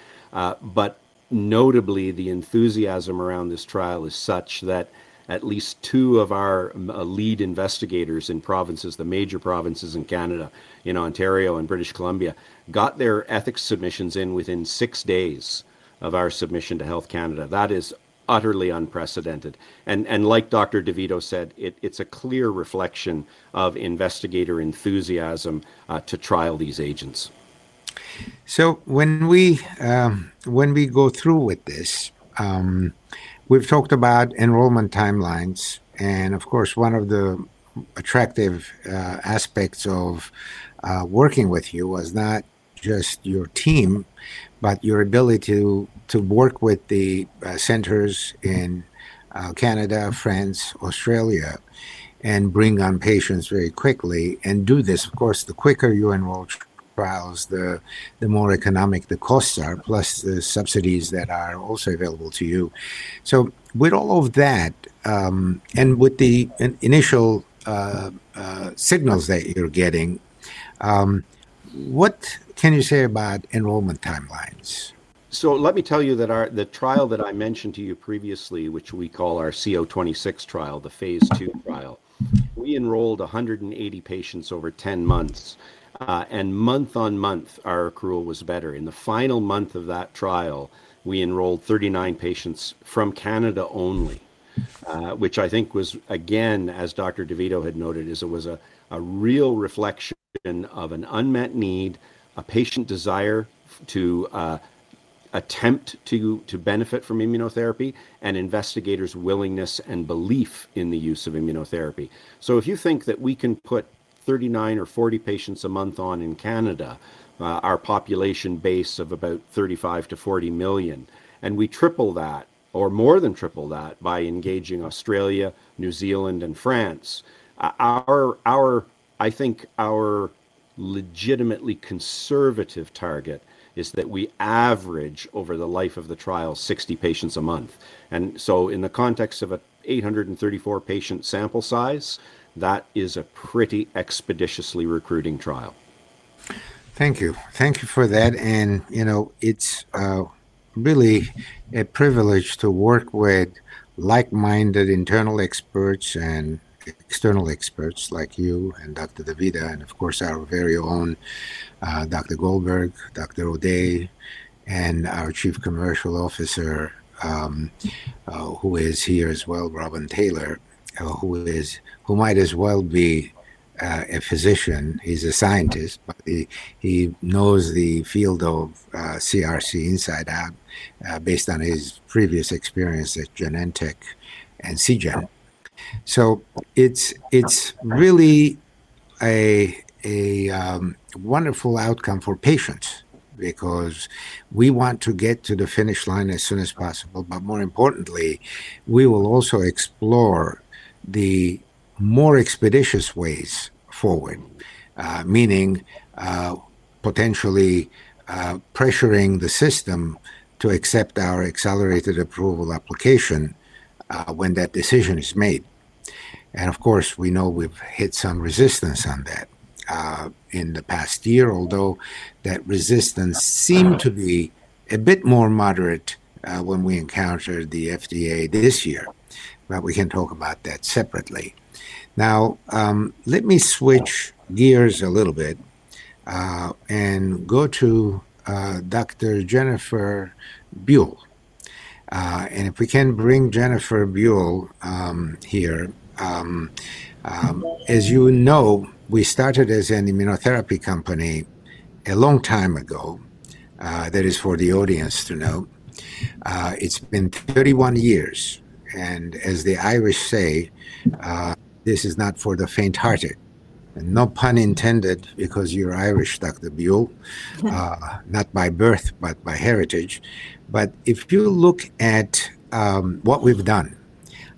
Notably, the enthusiasm around this trial is such that at least two of our lead investigators in provinces, the major provinces in Canada, in Ontario and British Columbia, got their ethics submissions in within six days of our submission to Health Canada. That is utterly unprecedented. Like Dr. DeVito said, it's a clear reflection of investigator enthusiasm to trial these agents. When we go through with this, we've talked about enrollment timelines. One of the attractive aspects of working with you was not just your team, but your ability to work with the centers in Canada, France, Australia, and bring on patients very quickly and do this. The quicker you enroll trials, the more economic the costs are, plus the subsidies that are also available to you. With all of that and with the initial signals that you're getting, what can you say about enrollment timelines? Let me tell you that the trial that I mentioned to you previously, which we call our CO.26 trial, the Phase II trial, we enrolled 180 patients over 10 months. Month on month, our accrual was better. In the final month of that trial, we enrolled 39 patients from Canada only, which I think was, again, as Dr. DeVito had noted, it was a real reflection of an unmet need, a patient desire to attempt to benefit from immunotherapy, and investigators' willingness and belief in the use of immunotherapy. If you think that we can put 39 or 40 patients a month on in Canada, our population base of about 35 million-40 million, and we triple that or more than triple that by engaging Australia, New Zealand, and France, I think our legitimately conservative target is that we average over the life of the trial 60 patients a month. In the context of an 834 patient sample size, that is a pretty expeditiously recruiting trial. Thank you. Thank you for that. You know, it's really a privilege to work with like-minded internal experts and external experts like you and Dr. DeVito, and of course, our very own Dr. Goldberg, Dr. O'Day, and our Chief Commercial Officer who is here as well, Robin Taylor, who might as well be a physician. He's a scientist. He knows the field of CRC inside out based on his previous experience at Genentech and CGEN. It's really a wonderful outcome for patients because we want to get to the finish line as soon as possible. More importantly, we will also explore the more expeditious ways forward, meaning potentially pressuring the system to accept our accelerated approval application when that decision is made. We know we've hit some resistance on that in the past year, although that resistance seemed to be a bit more moderate when we encountered the FDA this year. We can talk about that separately. Now, let me switch gears a little bit and go to Dr. Jennifer Buell. If we can bring Jennifer Buell here. As you know, we started as an immunotherapy company a long time ago. That is for the audience to know. It's been 31 years. As the Irish say, this is not for the faint-hearted. No pun intended because you're Irish, Dr. Buell, not by birth, but by heritage. If you look at what we've done,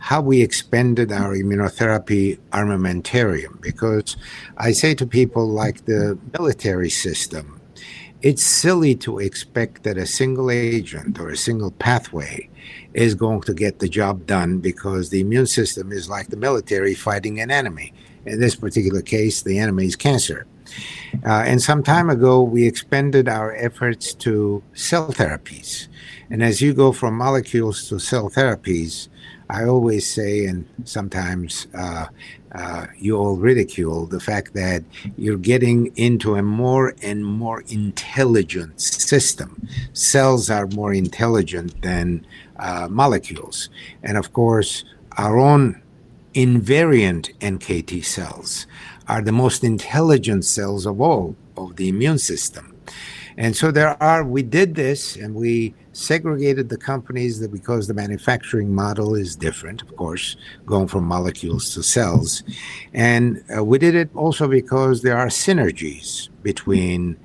how we expanded our immunotherapy armamentarium, because I say to people like the military system, it's silly to expect that a single agent or a single pathway is going to get the job done because the immune system is like the military fighting an enemy. In this particular case, the enemy is cancer. Some time ago, we expanded our efforts to cell therapies. As you go from molecules to cell therapies, I always say, and sometimes you all ridicule the fact that you're getting into a more and more intelligent system. Cells are more intelligent than molecules. Of course, our own invariant NKT cells are the most intelligent cells of all of the immune system. We did this, and we segregated the companies because the manufacturing model is different, of course, going from molecules to cells. We did it also because there are synergies between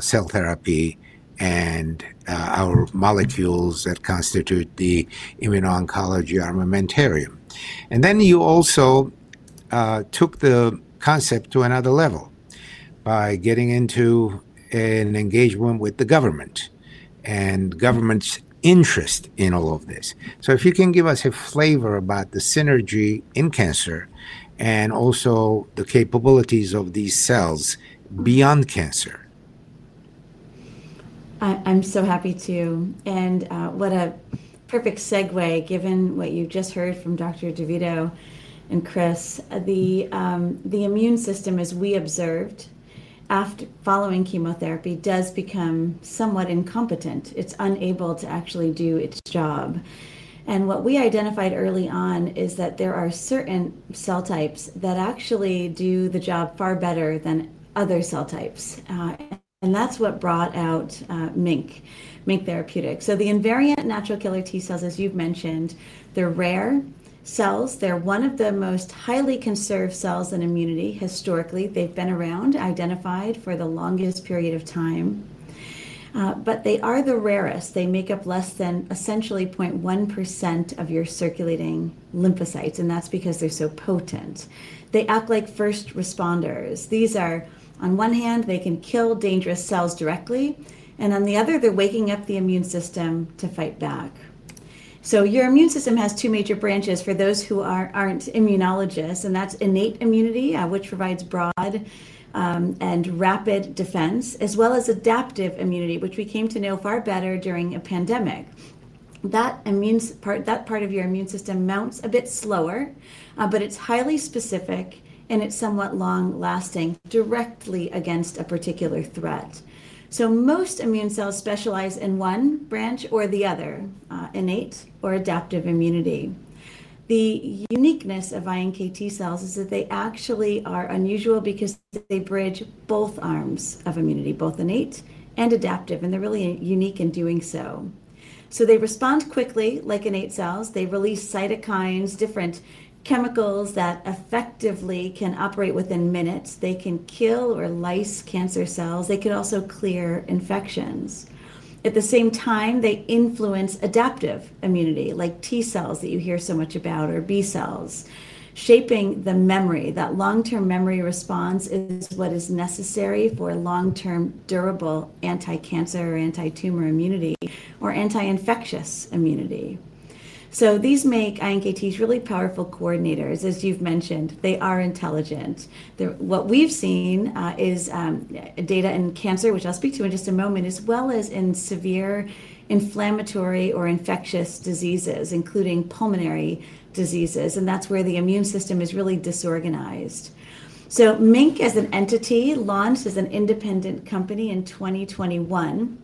cell therapy and our molecules that constitute the immuno-oncology armamentarium. You also took the concept to another level by getting into an engagement with the government and government's interest in all of this. If you can give us a flavor about the synergy in cancer and also the capabilities of these cells beyond cancer. I'm so happy to. What a perfect segue, given what you just heard from Dr. DeVito and Dr. Chris O'Callaghan. The immune system, as we observed following chemotherapy, does become somewhat incompetent. It's unable to actually do its job. What we identified early on is that there are certain cell types that actually do the job far better than other cell types. That's what brought out MiNK Therapeutics. The invariant natural killer T cells, as you've mentioned, they're rare cells. They're one of the most highly conserved cells in immunity historically. They've been around, identified for the longest period of time. They are the rarest. They make up less than essentially 0.1% of your circulating lymphocytes. That's because they're so potent. They act like first responders. On one hand, they can kill dangerous cells directly. On the other, they're waking up the immune system to fight back. Your immune system has two major branches, for those who aren't immunologists. That's innate immunity, which provides broad and rapid defense, as well as adaptive immunity, which we came to know far better during a pandemic. That part of your immune system mounts a bit slower, but it's highly specific, and it's somewhat long-lasting directly against a particular threat. Most immune cells specialize in one branch or the other, innate or adaptive immunity. The uniqueness of iNKT cells is that they actually are unusual because they bridge both arms of immunity, both innate and adaptive. They're really unique in doing so. They respond quickly, like innate cells. They release cytokines, different chemicals that effectively can operate within minutes. They can kill or lyse cancer cells. They can also clear infections. At the same time, they influence adaptive immunity, like T cells that you hear so much about or B cells, shaping the memory. That long-term memory response is what is necessary for long-term durable anti-cancer or anti-tumor immunity or anti-infectious immunity. These make iNKTs really powerful coordinators, as you've mentioned. They are intelligent. What we've seen is data in cancer, which I'll speak to in just a moment, as well as in severe inflammatory or infectious diseases, including pulmonary diseases. That's where the immune system is really disorganized. MiNK as an entity launched as an independent company in 2021.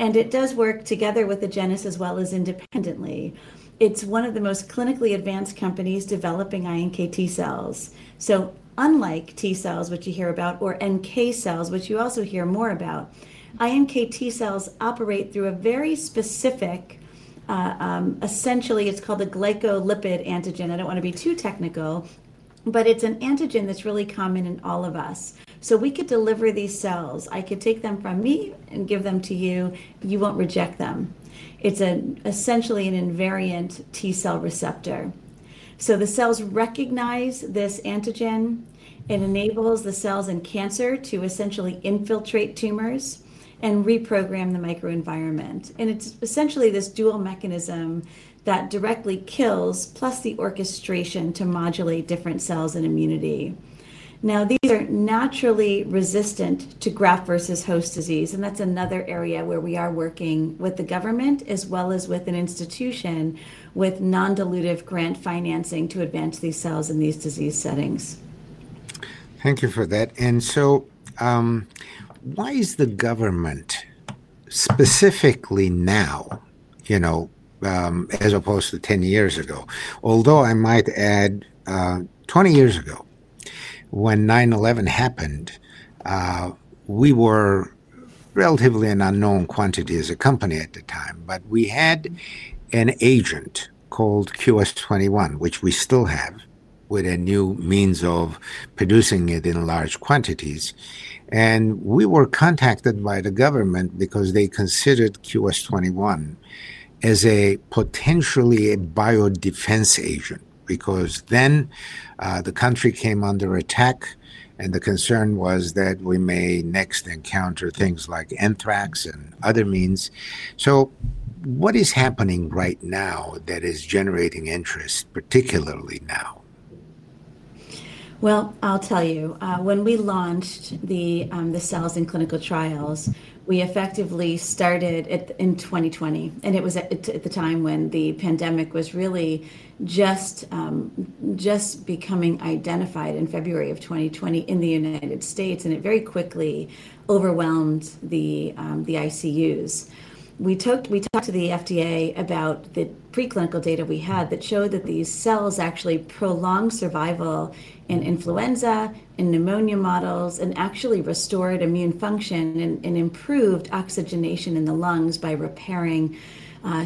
It does work together with Agenus as well as independently. It's one of the most clinically advanced companies developing iNKT cells. Unlike T cells, which you hear about, or NK cells, which you also hear more about, iNKT cells operate through a very specific, essentially, it's called a glycolipid antigen. I don't want to be too technical, but it's an antigen that's really common in all of us. We could deliver these cells. I could take them from me and give them to you. You won't reject them. It's essentially an invariant T cell receptor. The cells recognize this antigen. It enables the cells in cancer to essentially infiltrate tumors and reprogram the microenvironment. It's essentially this dual mechanism that directly kills, plus the orchestration to modulate different cells in immunity. These are naturally resistant to graft versus host disease. That's another area where we are working with the government, as well as with an institution with non-dilutive grant financing to advance these cells in these disease settings. Thank you for that. Why is the government specifically now, you know, as opposed to 10 years ago? I might add 20 years ago, when 9/11 happened, we were relatively an unknown quantity as a company at the time. We had an agent called QS-21 STIMULON, which we still have with a new means of producing it in large quantities. We were contacted by the government because they considered QS-21 STIMULON as potentially a bio-defense agent because then the country came under attack, and the concern was that we may next encounter things like anthrax and other means. What is happening right now that is generating interest, particularly now? When we launched the cells in clinical trials, we effectively started in 2020. It was at the time when the pandemic was really just becoming identified in February of 2020 in the United States. It very quickly overwhelmed the ICUs. We talked to the FDA about the preclinical data we had that showed that these cells actually prolonged survival in influenza and pneumonia models and actually restored immune function and improved oxygenation in the lungs by repairing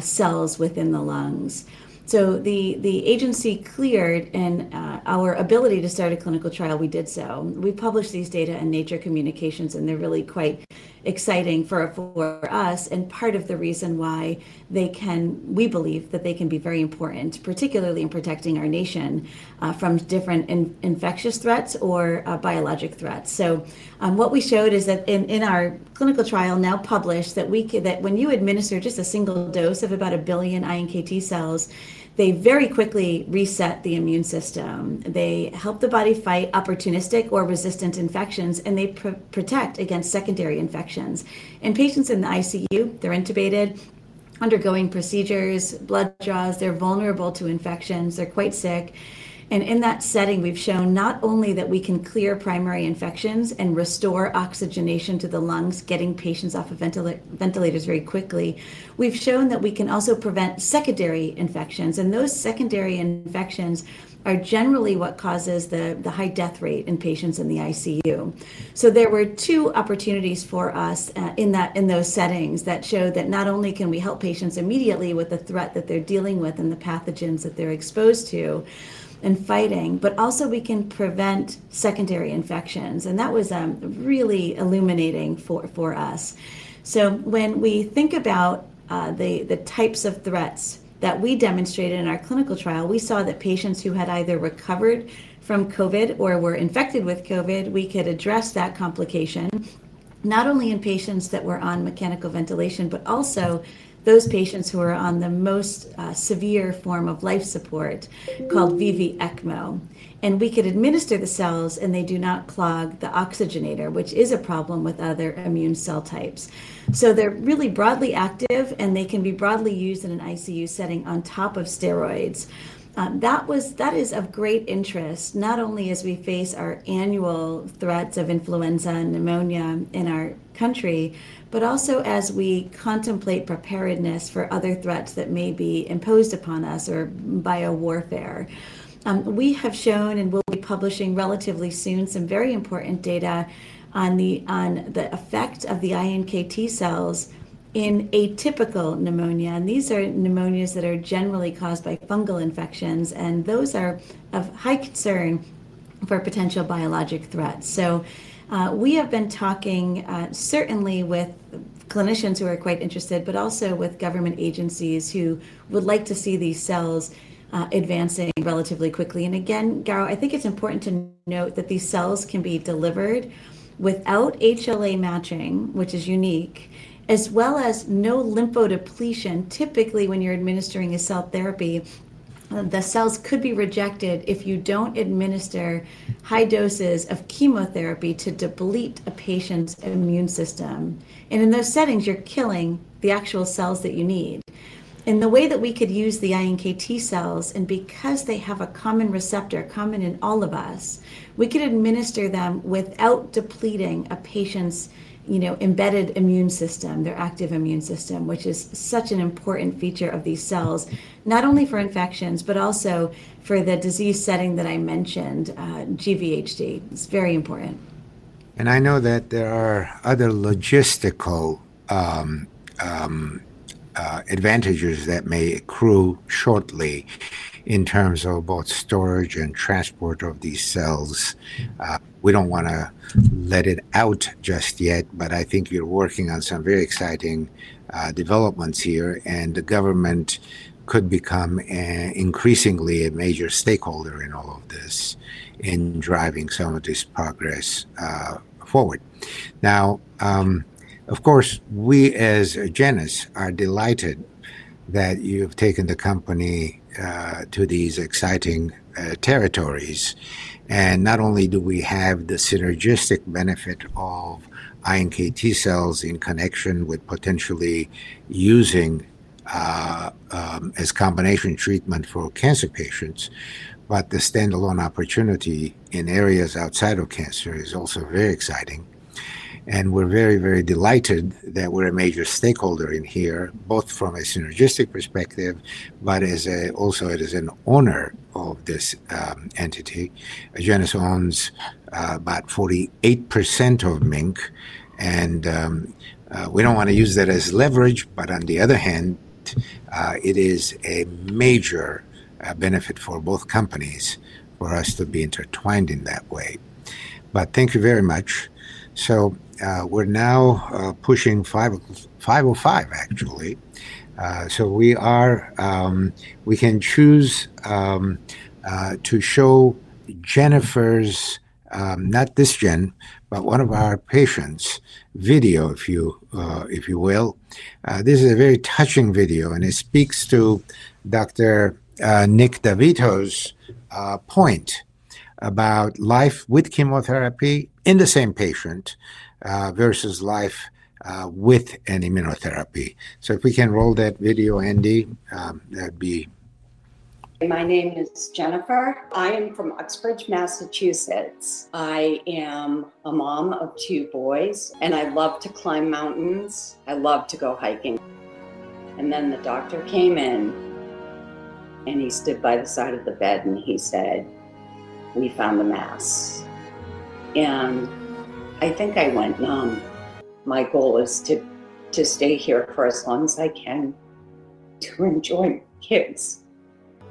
cells within the lungs. The agency cleared our ability to start a clinical trial. We did so. We published these data in Nature Communications, and they're really quite exciting for us. Part of the reason why we believe that they can be very important, particularly in protecting our nation from different infectious threats or biologic threats. What we showed is that in our clinical trial now published, when you administer just a single dose of about a billion iNKT cells, they very quickly reset the immune system. They help the body fight opportunistic or resistant infections, and they protect against secondary infections. In patients in the ICU, they're intubated, undergoing procedures, blood draws, they're vulnerable to infections, they're quite sick. In that setting, we've shown not only that we can clear primary infections and restore oxygenation to the lungs, getting patients off of ventilators very quickly, we've shown that we can also prevent secondary infections. Those secondary infections are generally what causes the high death rate in patients in the ICU. There were two opportunities for us in those settings that showed that not only can we help patients immediately with the threat that they're dealing with and the pathogens that they're exposed to and fighting, but also we can prevent secondary infections. That was really illuminating for us. When we think about the types of threats that we demonstrated in our clinical trial, we saw that patients who had either recovered from COVID or were infected with COVID, we could address that complication not only in patients that were on mechanical ventilation, but also those patients who were on the most severe form of life support called VV ECMO. We could administer the cells, and they do not clog the oxygenator, which is a problem with other immune cell types. They're really broadly active, and they can be broadly used in an ICU setting on top of steroids. That is of great interest, not only as we face our annual threats of influenza and pneumonia in our country, but also as we contemplate preparedness for other threats that may be imposed upon us or bio-warfare. We have shown and will be publishing relatively soon some very important data on the effect of the iNKT cells in atypical pneumonia. These are pneumonias that are generally caused by fungal infections, and those are of high concern for potential biologic threats. We have been talking certainly with clinicians who are quite interested, but also with government agencies who would like to see these cells advancing relatively quickly. Garo, I think it's important to note that these cells can be delivered without HLA matching, which is unique, as well as no lymphodepletion. Typically, when you're administering a cell therapy, the cells could be rejected if you don't administer high doses of chemotherapy to deplete a patient's immune system. In those settings, you're killing the actual cells that you need. The way that we could use the iNKT cells, and because they have a common receptor, common in all of us, we could administer them without depleting a patient's embedded immune system, their active immune system, which is such an important feature of these cells, not only for infections, but also for the disease setting that I mentioned, GVHD. It's very important. I know that there are other logistical advantages that may accrue shortly in terms of both storage and transport of these cells. We don't want to let it out just yet, but I think you're working on some very exciting developments here, and the government could become increasingly a major stakeholder in all of this, in driving some of this progress forward. Of course, we as Agenus are delighted that you have taken the company to these exciting territories. Not only do we have the synergistic benefit of iNKT cells in connection with potentially using as combination treatment for cancer patients, but the standalone opportunity in areas outside of. also very exciting. We're very, very delighted that we're a major stakeholder in here, both from a synergistic perspective, but also it is an honor of this entity. Agenus owns about 48% of MiNK, and we don't want to use that as leverage, but on the other hand, it is a major benefit for both companies for us to be intertwined in that way. Thank you very much. We're now pushing 505, actually. We can choose to show Jennifer's, not this Jen, but one of our patients' video, if you will. This is a very touching video, and it speaks to Dr. Nicholas DeVito's point about life with chemotherapy in the same patient versus life with an immunotherapy. If we can roll that video handy, that'd be. My name is Jennifer. I am from Uxbridge, Massachusetts. I am a mom of two boys, and I love to climb mountains. I love to go hiking. The doctor came in, and he stood by the side of the bed, and he said, "We found a mass." I think I went, "My goal is to stay here for as long as I can to enjoy my kids."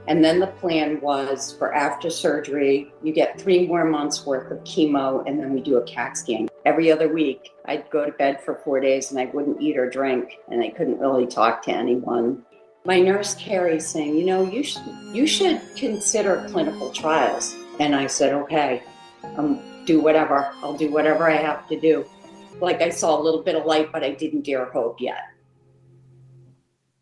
The plan was for after surgery, you get three more months' worth of chemo, and then we do a CAT scan every other week. I'd go to bed for four days, and I wouldn't eat or drink, and I couldn't really talk to anyone. My nurse, Terry, is saying, "You know, you should consider clinical trials." I said, "Okay, I'll do whatever. I'll do whatever I have to do." I saw a little bit of light, but I didn't dare hope yet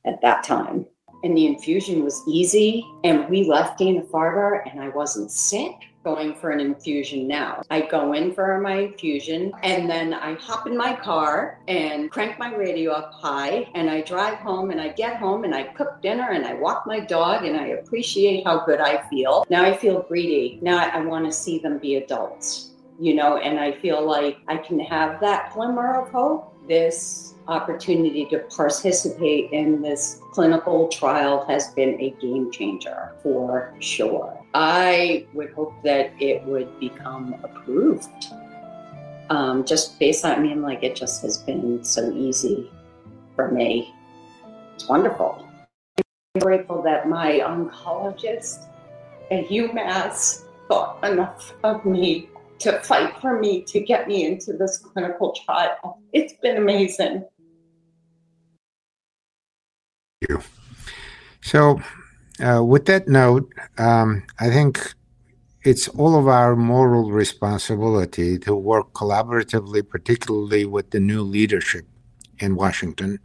at that time. The infusion was easy, and we left Dana-Farber, and I wasn't sick going for an infusion now. I go in for my infusion, and then I hop in my car and crank my radio up high, and I drive home, and I get home, and I cook dinner, and I walk my dog, and I appreciate how good I feel. Now I feel greedy. Now I want to see them be adults, you know, and I feel like I can have that glimmer of hope. This opportunity to participate in this clinical trial has been a game changer for sure. I would hope that it would become approved. Just based on me, like it just has been so easy for me. Wonderful. I'm grateful that my oncologist at UMass thought enough of me to fight for me to get me into this clinical trial. It's been amazing. With that note, I think it's all of our moral responsibility to work collaboratively, particularly with the new leadership in Washington,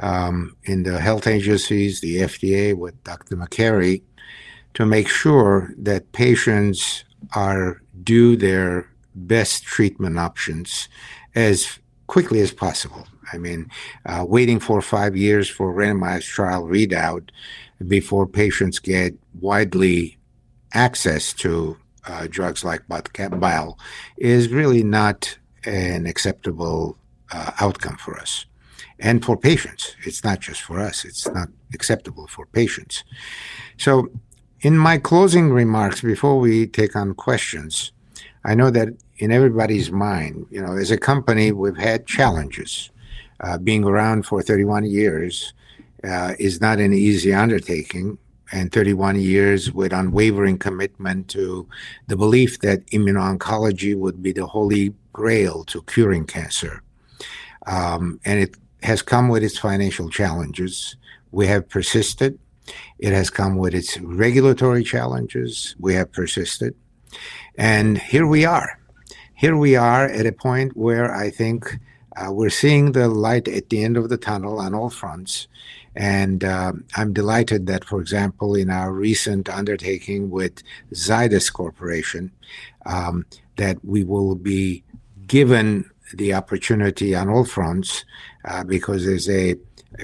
in the health agencies, the FDA, with Dr. McCarry, to make sure that patients do their best treatment options as quickly as possible. Waiting for five years for a randomized trial readout before patients get widely access to drugs like Botensilimab is really not an acceptable outcome for us and for patients. It's not just for us. It's not acceptable for patients. In my closing remarks before we take on questions, I know that in everybody's mind, you know, as a company, we've had challenges. Being around for 31 years is not an easy undertaking, and 31 years with unwavering commitment to the belief that immuno-oncology would be the holy grail to curing cancer. It has come with its financial challenges. We have persisted. It has come with its regulatory challenges. We have persisted. Here we are. Here we are at a point where I think we're seeing the light at the end of the tunnel on all fronts. I'm delighted that, for example, in our recent undertaking with Zydus Lifesciences, that we will be given the opportunity on all fronts because there's a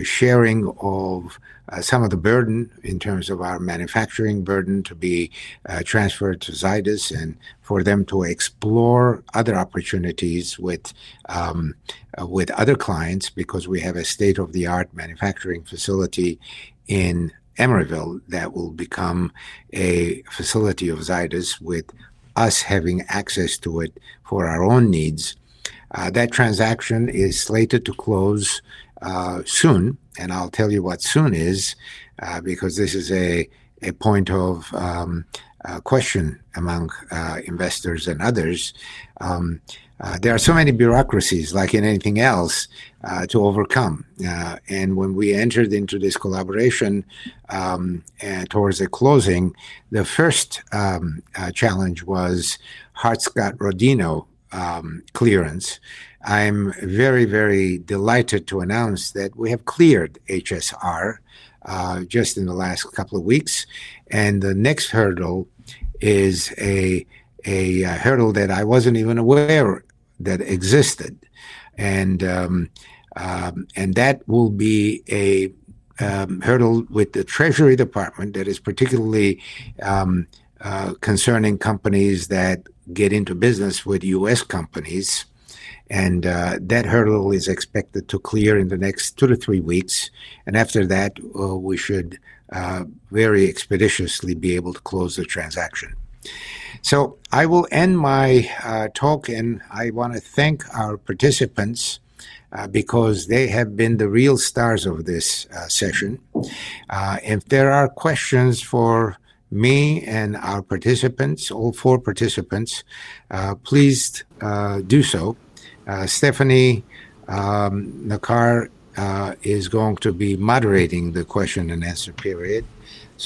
sharing of some of the burden in terms of our manufacturing burden to be transferred to Zydus and for them to explore other opportunities with other clients because we have a state-of-the-art manufacturing facility in Emeryville that will become a facility of Zydus with us having access to it for our own needs. That transaction is slated to close soon. I'll tell you what soon is because this is a point of question among investors and others. There are so many bureaucracies, like in anything else, to overcome. When we entered into this collaboration towards the closing, the first challenge was Hart-Scott-Rodino clearance. I'm very, very delighted to announce that we have cleared HSR just in the last couple of weeks. The next hurdle is a hurdle that I wasn't even aware that existed. That will be a hurdle with the Treasury Department that is particularly concerning companies that get into business with U.S. companies. That hurdle is expected to clear in the next two to three weeks. After that, we should very expeditiously be able to close the transaction. I will end my talk, and I want to thank our participants because they have been the real stars of this session. If there are questions for me and our participants, all four participants, please do so. Stefanie Perna Nacar is going to be moderating the question and answer period.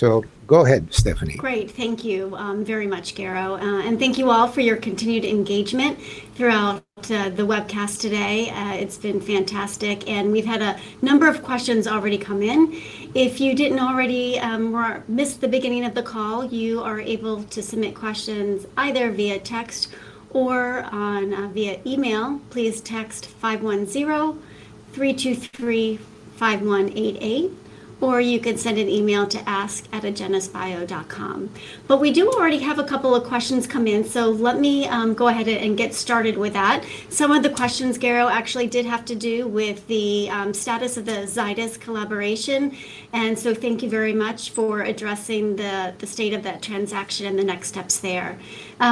Go ahead, Stefanie. Great. Thank you very much, Garo. Thank you all for your continued engagement throughout the webcast today. It's been fantastic. We've had a number of questions already come in. If you didn't already miss the beginning of the call, you are able to submit questions either via text or via email. Please text 510-323-5188, or you could send an email to ask@agenusbio.com. We do already have a couple of questions come in. Let me go ahead and get started with that. Some of the questions, Garo, actually did have to do with the status of the Zydus Lifesciences collaboration. Thank you very much for addressing the state of that transaction and the next steps there.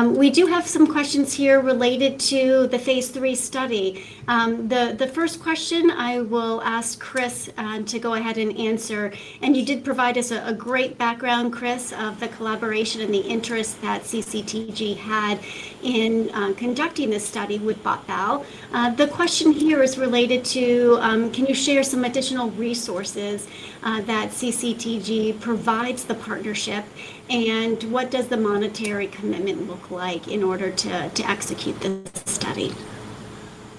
We do have some questions here related to the Phase III study. The first question I will ask Chris to go ahead and answer. You did provide us a great background, Chris, of the collaboration and the interest that the Canadian Cancer Trials Group had in conducting this study with Balstilimab. The question here is related to, can you share some additional resources that the Canadian Cancer Trials Group provides the partnership? What does the monetary commitment look like in order to execute the study?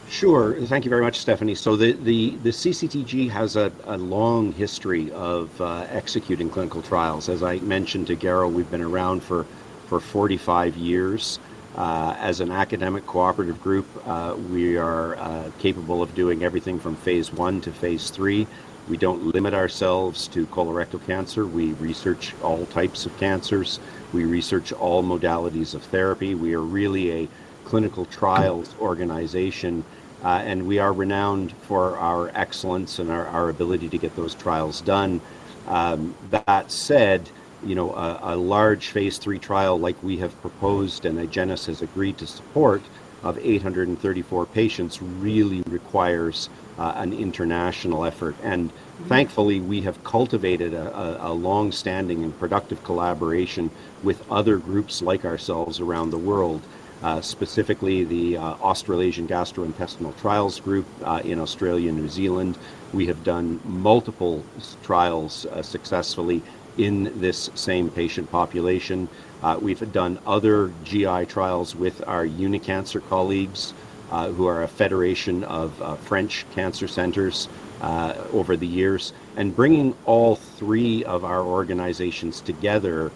Sure. Thank you very much, Stefanie. The Canadian Cancer Trials Group has a long history of executing clinical trials. As I mentioned to Garo, we've been around for 45 years. As an academic cooperative group, we are capable of doing everything from Phase I to Phase III. We don't limit ourselves to colorectal cancer. We research all types of cancers. We research all modalities of therapy. We are really a clinical trials organization, and we are renowned for our excellence and our ability to get those trials done. That said, a large Phase III trial like we have proposed and Agenus has agreed to support of 834 patients really requires an international effort. Thankfully, we have cultivated a longstanding and productive collaboration with other groups like ourselves around the world, specifically the Australasian Gastrointestinal Trials Group in Australia and New Zealand. We have done multiple trials successfully in this same patient population. We've done other GI trials with our Unicancer colleagues, who are a federation of French cancer centers over the years. Bringing all three of our organizations together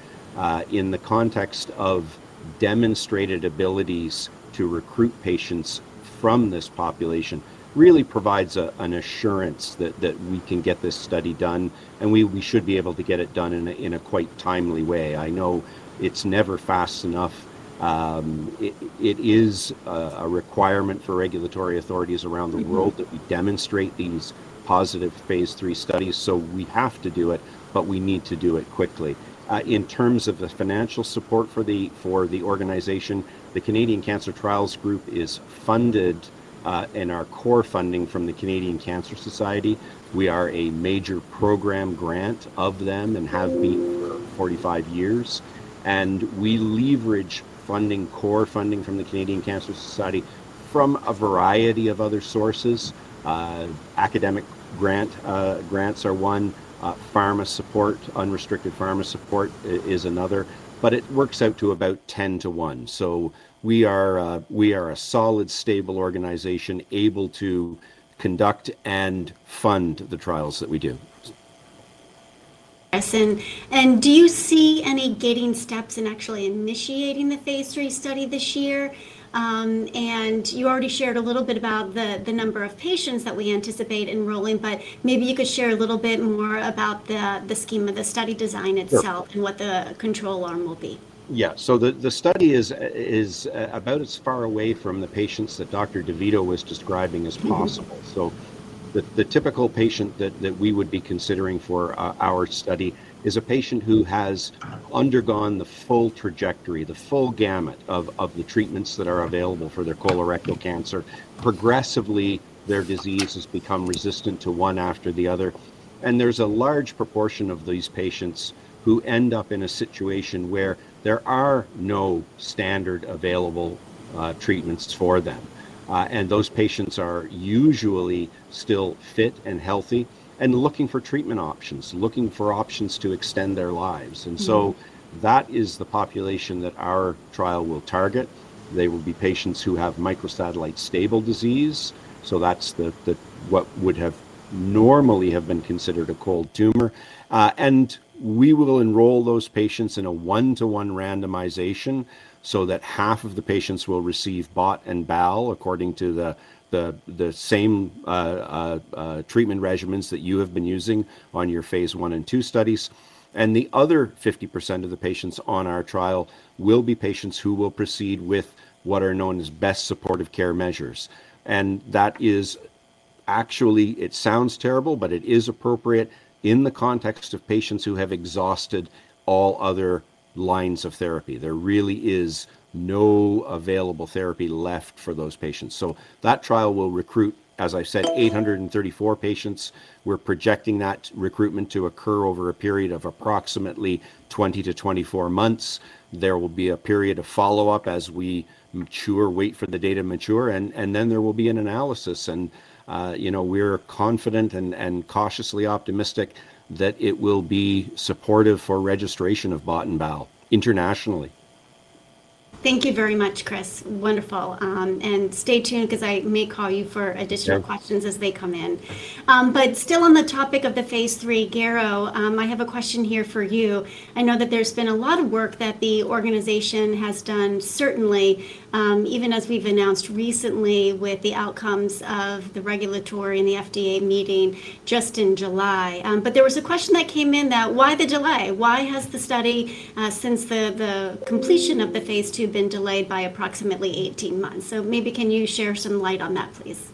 in the context of demonstrated abilities to recruit patients from this population really provides an assurance that we can get this study done. We should be able to get it done in a quite timely way. I know it's never fast enough. It is a requirement for regulatory authorities around the world that we demonstrate these positive Phase III studies. We have to do it, but we need to do it quickly. In terms of the financial support for the organization, the Canadian Cancer Trials Group is funded in our core funding from the Canadian Cancer Society. We are a major program grant of them and have been for 45 years. We leverage core funding from the Canadian Cancer Society from a variety of other sources. Academic grants are one. Pharma support, unrestricted pharma support is another. It works out to about 10 to 1. We are a solid, stable organization able to conduct and fund the trials that we do. Yes. Do you see any gating steps in actually initiating the Phase III study this year? You already shared a little bit about the number of patients that we anticipate enrolling, but maybe you could share a little bit more about the scheme of the study design itself and what the control arm will be. Yeah. The study is about as far away from the patients that Dr. Nicholas DeVito was describing as possible. The typical patient that we would be considering for our study is a patient who has undergone the full trajectory, the full gamut of the treatments that are available for their colorectal cancer. Progressively, their disease has become resistant to one after the other. There's a large proportion of these patients who end up in a situation where there are no standard available treatments for them. Those patients are usually still fit and healthy and looking for treatment options, looking for options to extend their lives. That is the population that our trial will target. They will be patients who have microsatellite stable disease. That's what would normally have been considered a cold tumor. We will enroll those patients in a one-to-one randomization so that half of the patients will receive Botensilimab and Balstilimab according to the same treatment regimens that you have been using on your Phase I and Phase II studies. The other 50% of the patients on our trial will be patients who will proceed with what are known as best supportive care measures. That is actually, it sounds terrible, but it is appropriate in the context of patients who have exhausted all other lines of therapy. There really is no available therapy left for those patients. That trial will recruit, as I said, 834 patients. We're projecting that recruitment to occur over a period of approximately 20-24 months. There will be a period of follow-up as we wait for the data to mature, and then there will be an analysis. We're confident and cautiously optimistic that it will be supportive for registration of Botensilimab and Balstilimab internationally. Thank you very much, Chris. Wonderful. Stay tuned because I may call you for additional questions as they come in. Still on the topic of the Phase III, Garo, I have a question here for you. I know that there's been a lot of work that the organization has done, certainly even as we've announced recently with the outcomes of the regulatory and the FDA meeting just in July. There was a question that came in that, why the July? Why has the study, since the completion of the Phase II, been delayed by approximately 18 months? Maybe can you share some light on that, please?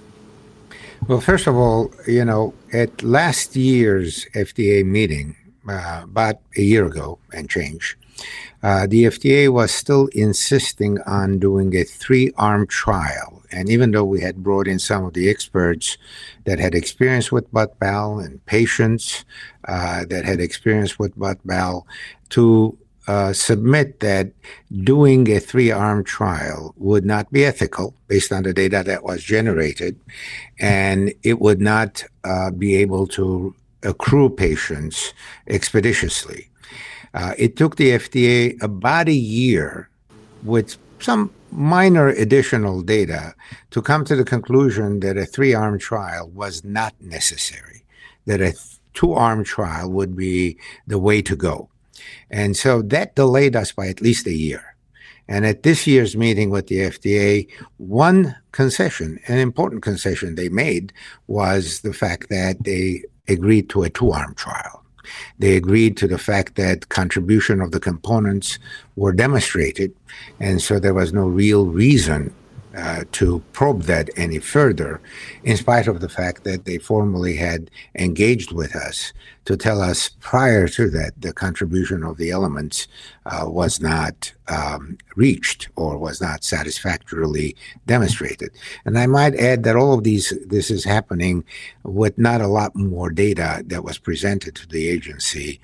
First of all, at last year's FDA meeting, about a year ago and change, the FDA was still insisting on doing a three-arm trial. Even though we had brought in some of the experts that had experience with BOT and BAL and patients that had experience with BOT and BAL to submit that doing a three-arm trial would not be ethical based on the data that was generated, and it would not be able to accrue patients expeditiously. It took the FDA about a year with some minor additional data to come to the conclusion that a three-arm trial was not necessary, that a two-arm trial would be the way to go. That delayed us by at least a year. At this year's meeting with the FDA, one concession, an important concession they made, was the fact that they agreed to a two-arm trial. They agreed to the fact that contribution of the components were demonstrated. There was no real reason to probe that any further, in spite of the fact that they formally had engaged with us to tell us prior to that the contribution of the elements was not reached or was not satisfactorily demonstrated. I might add that all of this is happening with not a lot more data that was presented to the agency.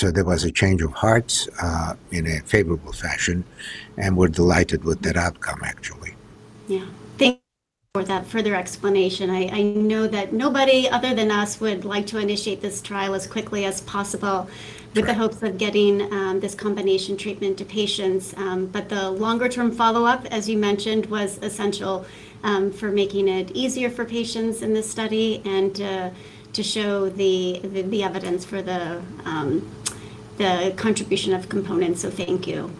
There was a change of hearts in a favorable fashion. We're delighted with that outcome, actually. Thank you for that further explanation. I know that nobody other than us would like to initiate this trial as quickly as possible with the hopes of getting this combination treatment to patients. The longer-term follow-up, as you mentioned, was essential for making it easier for patients in this study and to show the evidence for the contribution of components. Thank you.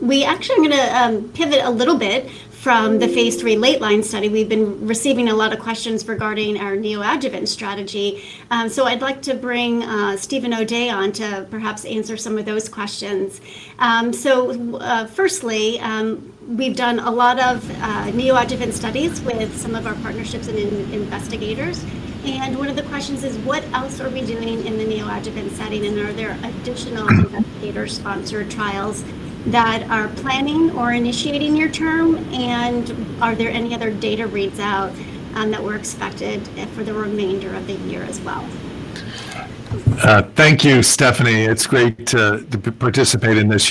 We actually are going to pivot a little bit from the Phase III late-line study. We've been receiving a lot of questions regarding our neoadjuvant strategy. I'd like to bring Dr. Steven O'Day on to perhaps answer some of those questions. Firstly, we've done a lot of neoadjuvant studies with some of our partnerships and investigators. One of the questions is, what else are we doing in the neoadjuvant setting? Are there additional investigator-sponsored trials that are planning or initiating near term? Are there any other data readouts that were expected for the remainder of the year as well? Thank you, Stefanie. It's great to participate in this.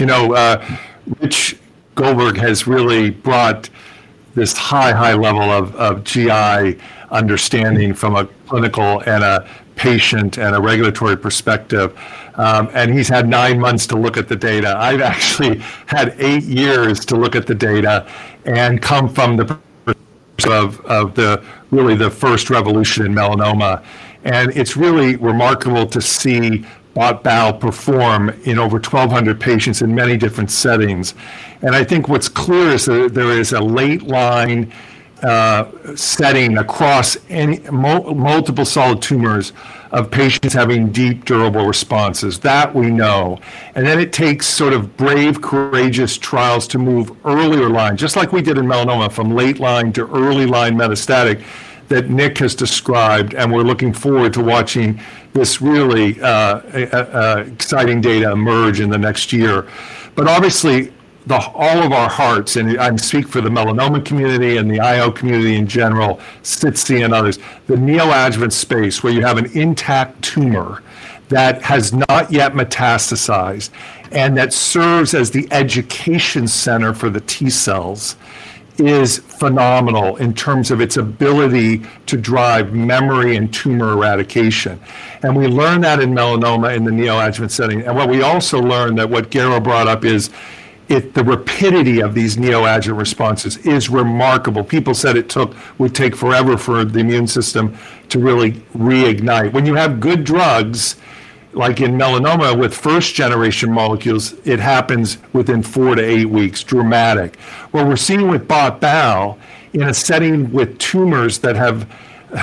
Rich Goldberg has really brought this high, high level of GI understanding from a clinical and a patient and a regulatory perspective. He's had nine months to look at the data. I've actually had eight years to look at the data and come from the first revolution in melanoma. It's really remarkable to see BOT and BAL perform in over 1,200 patients in many different settings. I think what's clear is that there is a late-line setting across multiple solid tumors of patients having deep, durable responses. That we know. It takes sort of brave, courageous trials to move earlier lines, just like we did in melanoma, from late-line to early-line metastatic that Nick has described. We're looking forward to watching this really exciting data emerge in the next year. Obviously, all of our hearts, and I can speak for the melanoma community and the IO community in general, Stitzky and others, the neoadjuvant space where you have an intact tumor that has not yet metastasized and that serves as the education center for the T cells is phenomenal in terms of its ability to drive memory and tumor eradication. We learn that in melanoma in the neoadjuvant setting. What we also learned, what Garo brought up, is the rapidity of these neoadjuvant responses is remarkable. People said it would take forever for the immune system to really reignite. When you have good drugs, like in melanoma with first-generation molecules, it happens within four to eight weeks, dramatic. What we're seeing with BOT and BAL in a setting with tumors that have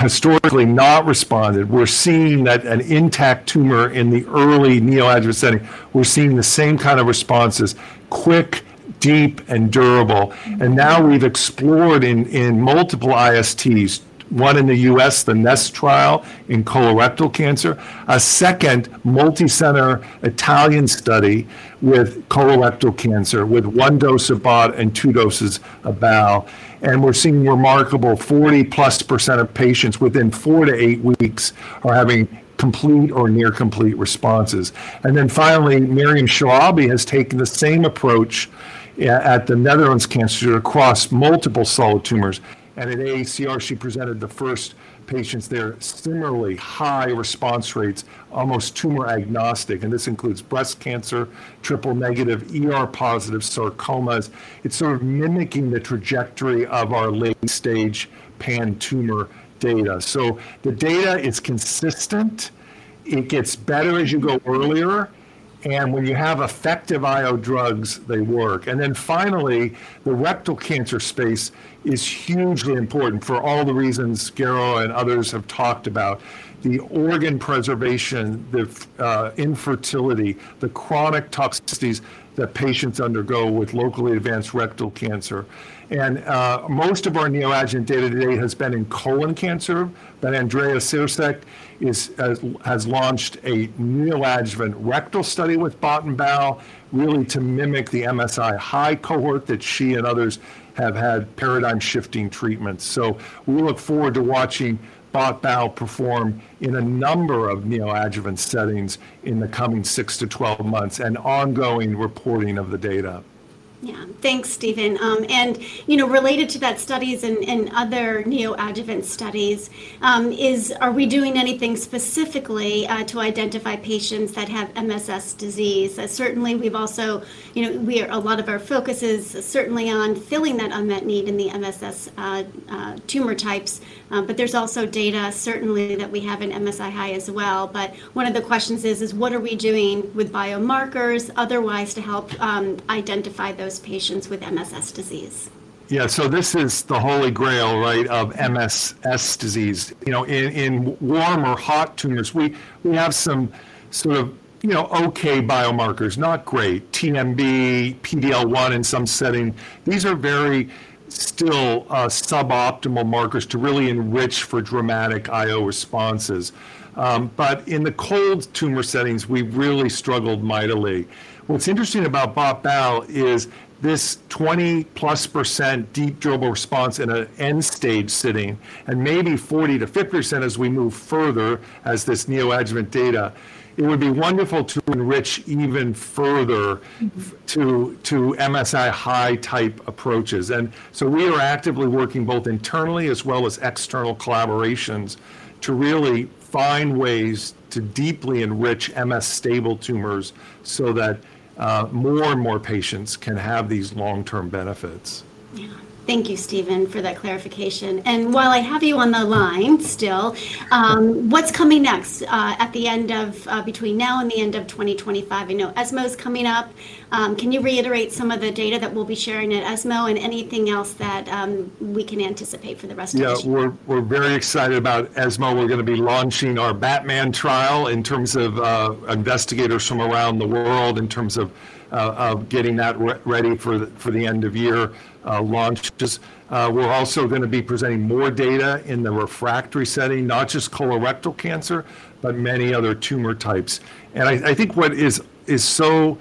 historically not responded, we're seeing that an intact tumor in the early neoadjuvant setting, we're seeing the same kind of responses: quick, deep, and durable. Now we've explored in multiple ISTs, one in the U.S., the NEST trial in colorectal cancer, a second multi-center Italian study with colorectal cancer with one dose of BOT and two doses of bal. We're seeing remarkable +40% of patients within four to eight weeks are having complete or near-complete responses. Finally, Miriam Shoabi has taken the same approach at the Netherlands Cancer Center across multiple solid tumors. At AACR, she presented the first patients there, similarly high response rates, almost tumor agnostic. This includes breast cancer, triple negative, positive sarcomas. It's sort of mimicking the trajectory of our late-stage pan-tumor data. The data is consistent. It gets better as you go earlier. When you have effective IO drugs, they work. The rectal cancer space is hugely important for all the reasons Garo and others have talked about: the organ preservation, the infertility, the chronic toxicities that patients undergo with locally advanced rectal cancer. Most of our neoadjuvant data today has been in colon cancer. Andrea Sirsak has launched a neoadjuvant rectal study with BOT and bal, really to mimic the MSI high cohort that she and others have had paradigm-shifting treatments. We look forward to watching BOT/BAL perform in a number of neoadjuvant settings in the coming 6 to 12 months and ongoing reporting of the data. Yeah. Thanks, Steven. Related to that studies and other neoadjuvant studies, are we doing anything specifically to identify patients that have MSS disease? Certainly, we've also, you know, a lot of our focus is certainly on filling that unmet need in the MSS tumor types. There's also data certainly that we have in MSI high as well. One of the questions is, what are we doing with biomarkers otherwise to help identify those patients with MSS disease? Yeah. This is the holy grail, right, of MSS disease. In warm or hot tumors, we have some sort of, you know, OK biomarkers, not great: TMB, TDL-1 in some settings. These are still very suboptimal markers to really enrich for dramatic IO responses. In the cold tumor settings, we really struggled mightily. What's interesting about BOT bowel is this +20% deep, durable response in an end-stage setting and maybe 40%-50% as we move further as this neoadjuvant data. It would be wonderful to enrich even further to MSI high type approaches. We are actively working both internally as well as external collaborations to really find ways to deeply enrich MSS tumors so that more and more patients can have these long-term benefits. Thank you, Steven, for that clarification. While I have you on the line still, what's coming next between now and the end of 2025? I know ESMO is coming up. Can you reiterate some of the data that we'll be sharing at ESMO and anything else that we can anticipate for the rest of the year? Yeah. We're very excited about ESMO. We're going to be launching our BATTMAN study in terms of investigators from around the world, in terms of getting that ready for the end of year launch. We're also going to be presenting more data in the refractory setting, not just colorectal cancer, but many other tumor types. I think what is so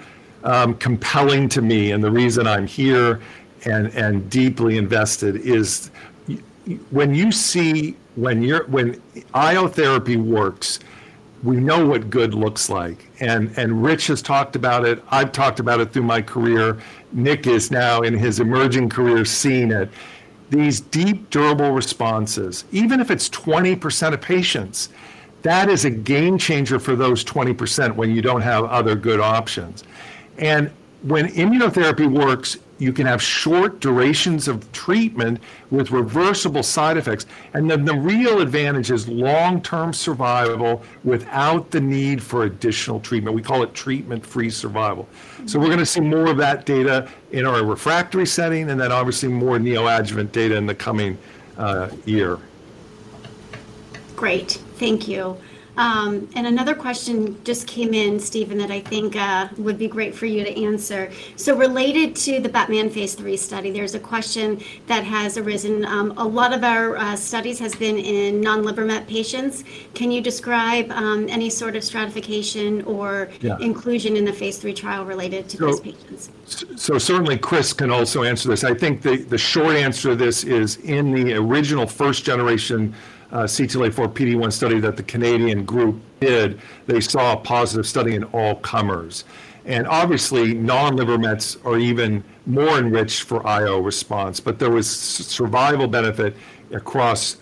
compelling to me and the reason I'm here and deeply invested is when you see when IO therapy works, we know what good looks like. Rich has talked about it. I've talked about it through my career. Nick is now in his emerging career seeing it. These deep, durable responses, even if it's 20% of patients, that is a game changer for those 20% when you don't have other good options. When immunotherapy works, you can have short durations of treatment with reversible side effects. The real advantage is long-term survival without the need for additional treatment. We call it treatment-free survival. We're going to see more of that data in our refractory setting and obviously more neoadjuvant data in the coming year. Great. Thank you. Another question just came in, Steven, that I think would be great for you to answer. Related to the BATTMAN Phase III study, there's a question that has arisen. A lot of our studies have been in non-liver met patients. Can you describe any sort of stratification or inclusion in the Phase III trial related to those patients? Certainly, Chris can also answer this. I think the short answer to this is in the original first-generation C284-PD1 study that the Canadian group did, they saw a positive study in all comers. Obviously, non-liver mets are even more enriched for IO response, but there was survival benefit across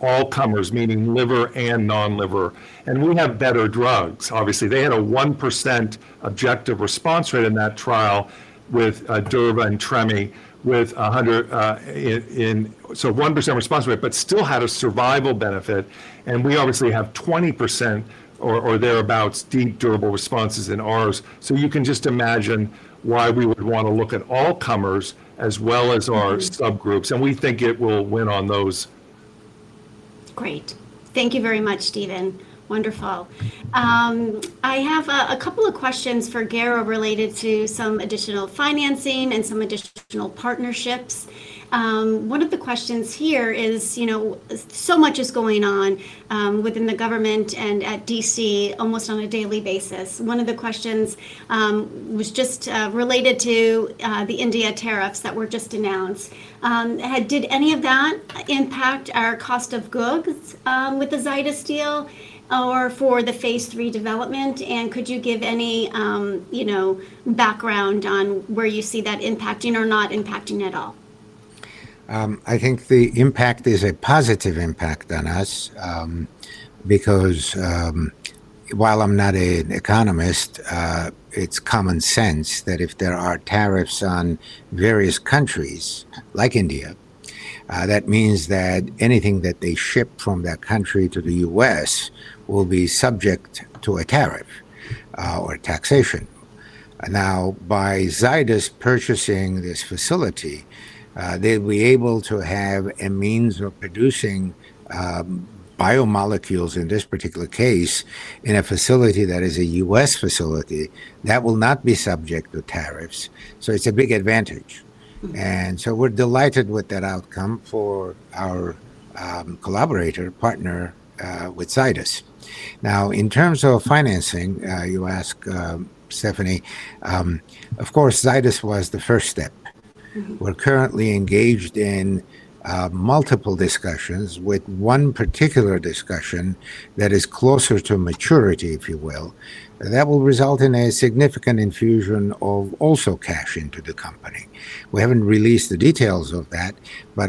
all comers, meaning liver and non-liver. We have better drugs. Obviously, they had a 1% objective response rate in that trial with Durva and Tremi with 100 in, so 1% response rate, but still had a survival benefit. We obviously have 20% or thereabouts deep, durable responses in ours. You can just imagine why we would want to look at all comers as well as our subgroups. We think it will win on those. Great. Thank you very much, Steven. Wonderful. I have a couple of questions for Garo related to some additional financing and some additional partnerships. One of the questions here is, you know, so much is going on within the government and at D.C. almost on a daily basis. One of the questions was just related to the India tariffs that were just announced. Did any of that impact our cost of goods with the Zydus deal or for the Phase III development? Could you give any, you know, background on where you see that impacting or not impacting at all? I think the impact is a positive impact on us because while I'm not an economist, it's common sense that if there are tariffs on various countries like India, that means that anything that they ship from that country to the U.S. will be subject to a tariff or taxation. Now, by Zydus purchasing this facility, they'll be able to have a means of producing biomolecules, in this particular case, in a facility that is a U.S. facility that will not be subject to tariffs. It's a big advantage. We're delighted with that outcome for our collaborator, partner with Zydus. Now, in terms of financing, you ask, Stefanie, of course, Zydus was the first step. We're currently engaged in multiple discussions with one particular discussion that is closer to maturity, if you will. That will result in a significant infusion of also cash into the company. We haven't released the details of that.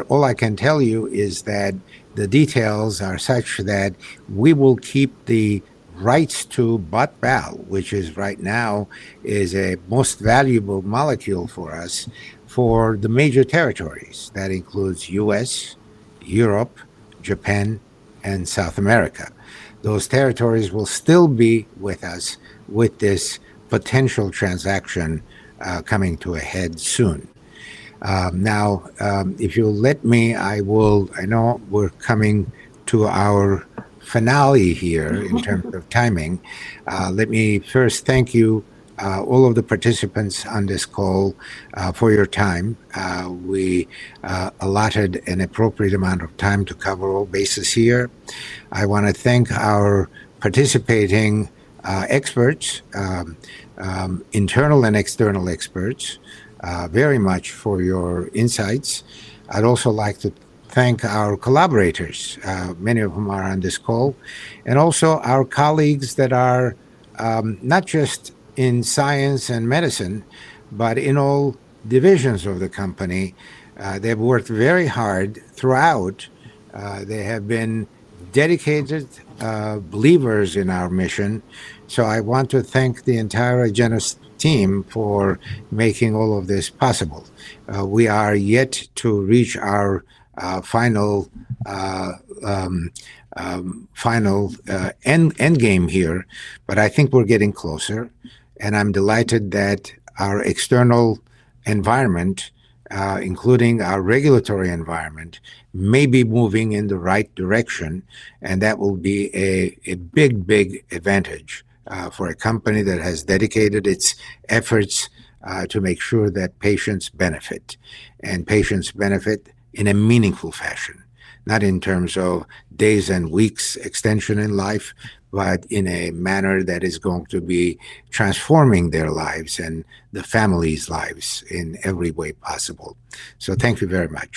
All I can tell you is that the details are such that we will keep the rights to bot, bal, which right now is a most valuable molecule for us, for the major territories. That includes U.S., Europe, Japan, and South America. Those territories will still be with us with this potential transaction coming to a head soon. If you'll let me, I know we're coming to our finale here in terms of timing. Let me first thank you, all of the participants on this call, for your time. We allotted an appropriate amount of time to cover all bases here. I want to thank our participating experts, internal and external experts, very much for your insights. I'd also like to thank our collaborators, many of whom are on this call, and also our colleagues that are not just in science and medicine, but in all divisions of the company. They've worked very hard throughout. They have been dedicated believers in our mission. I want to thank the entire Agenus team for making all of this possible. We are yet to reach our final endgame here, but I think we're getting closer. I'm delighted that our external environment, including our regulatory environment, may be moving in the right direction. That will be a big, big advantage for a company that has dedicated its efforts to make sure that patients benefit. Patients benefit in a meaningful fashion, not in terms of days and weeks, extension in life, but in a manner that is going to be transforming their lives and the families' lives in every way possible. Thank you very much.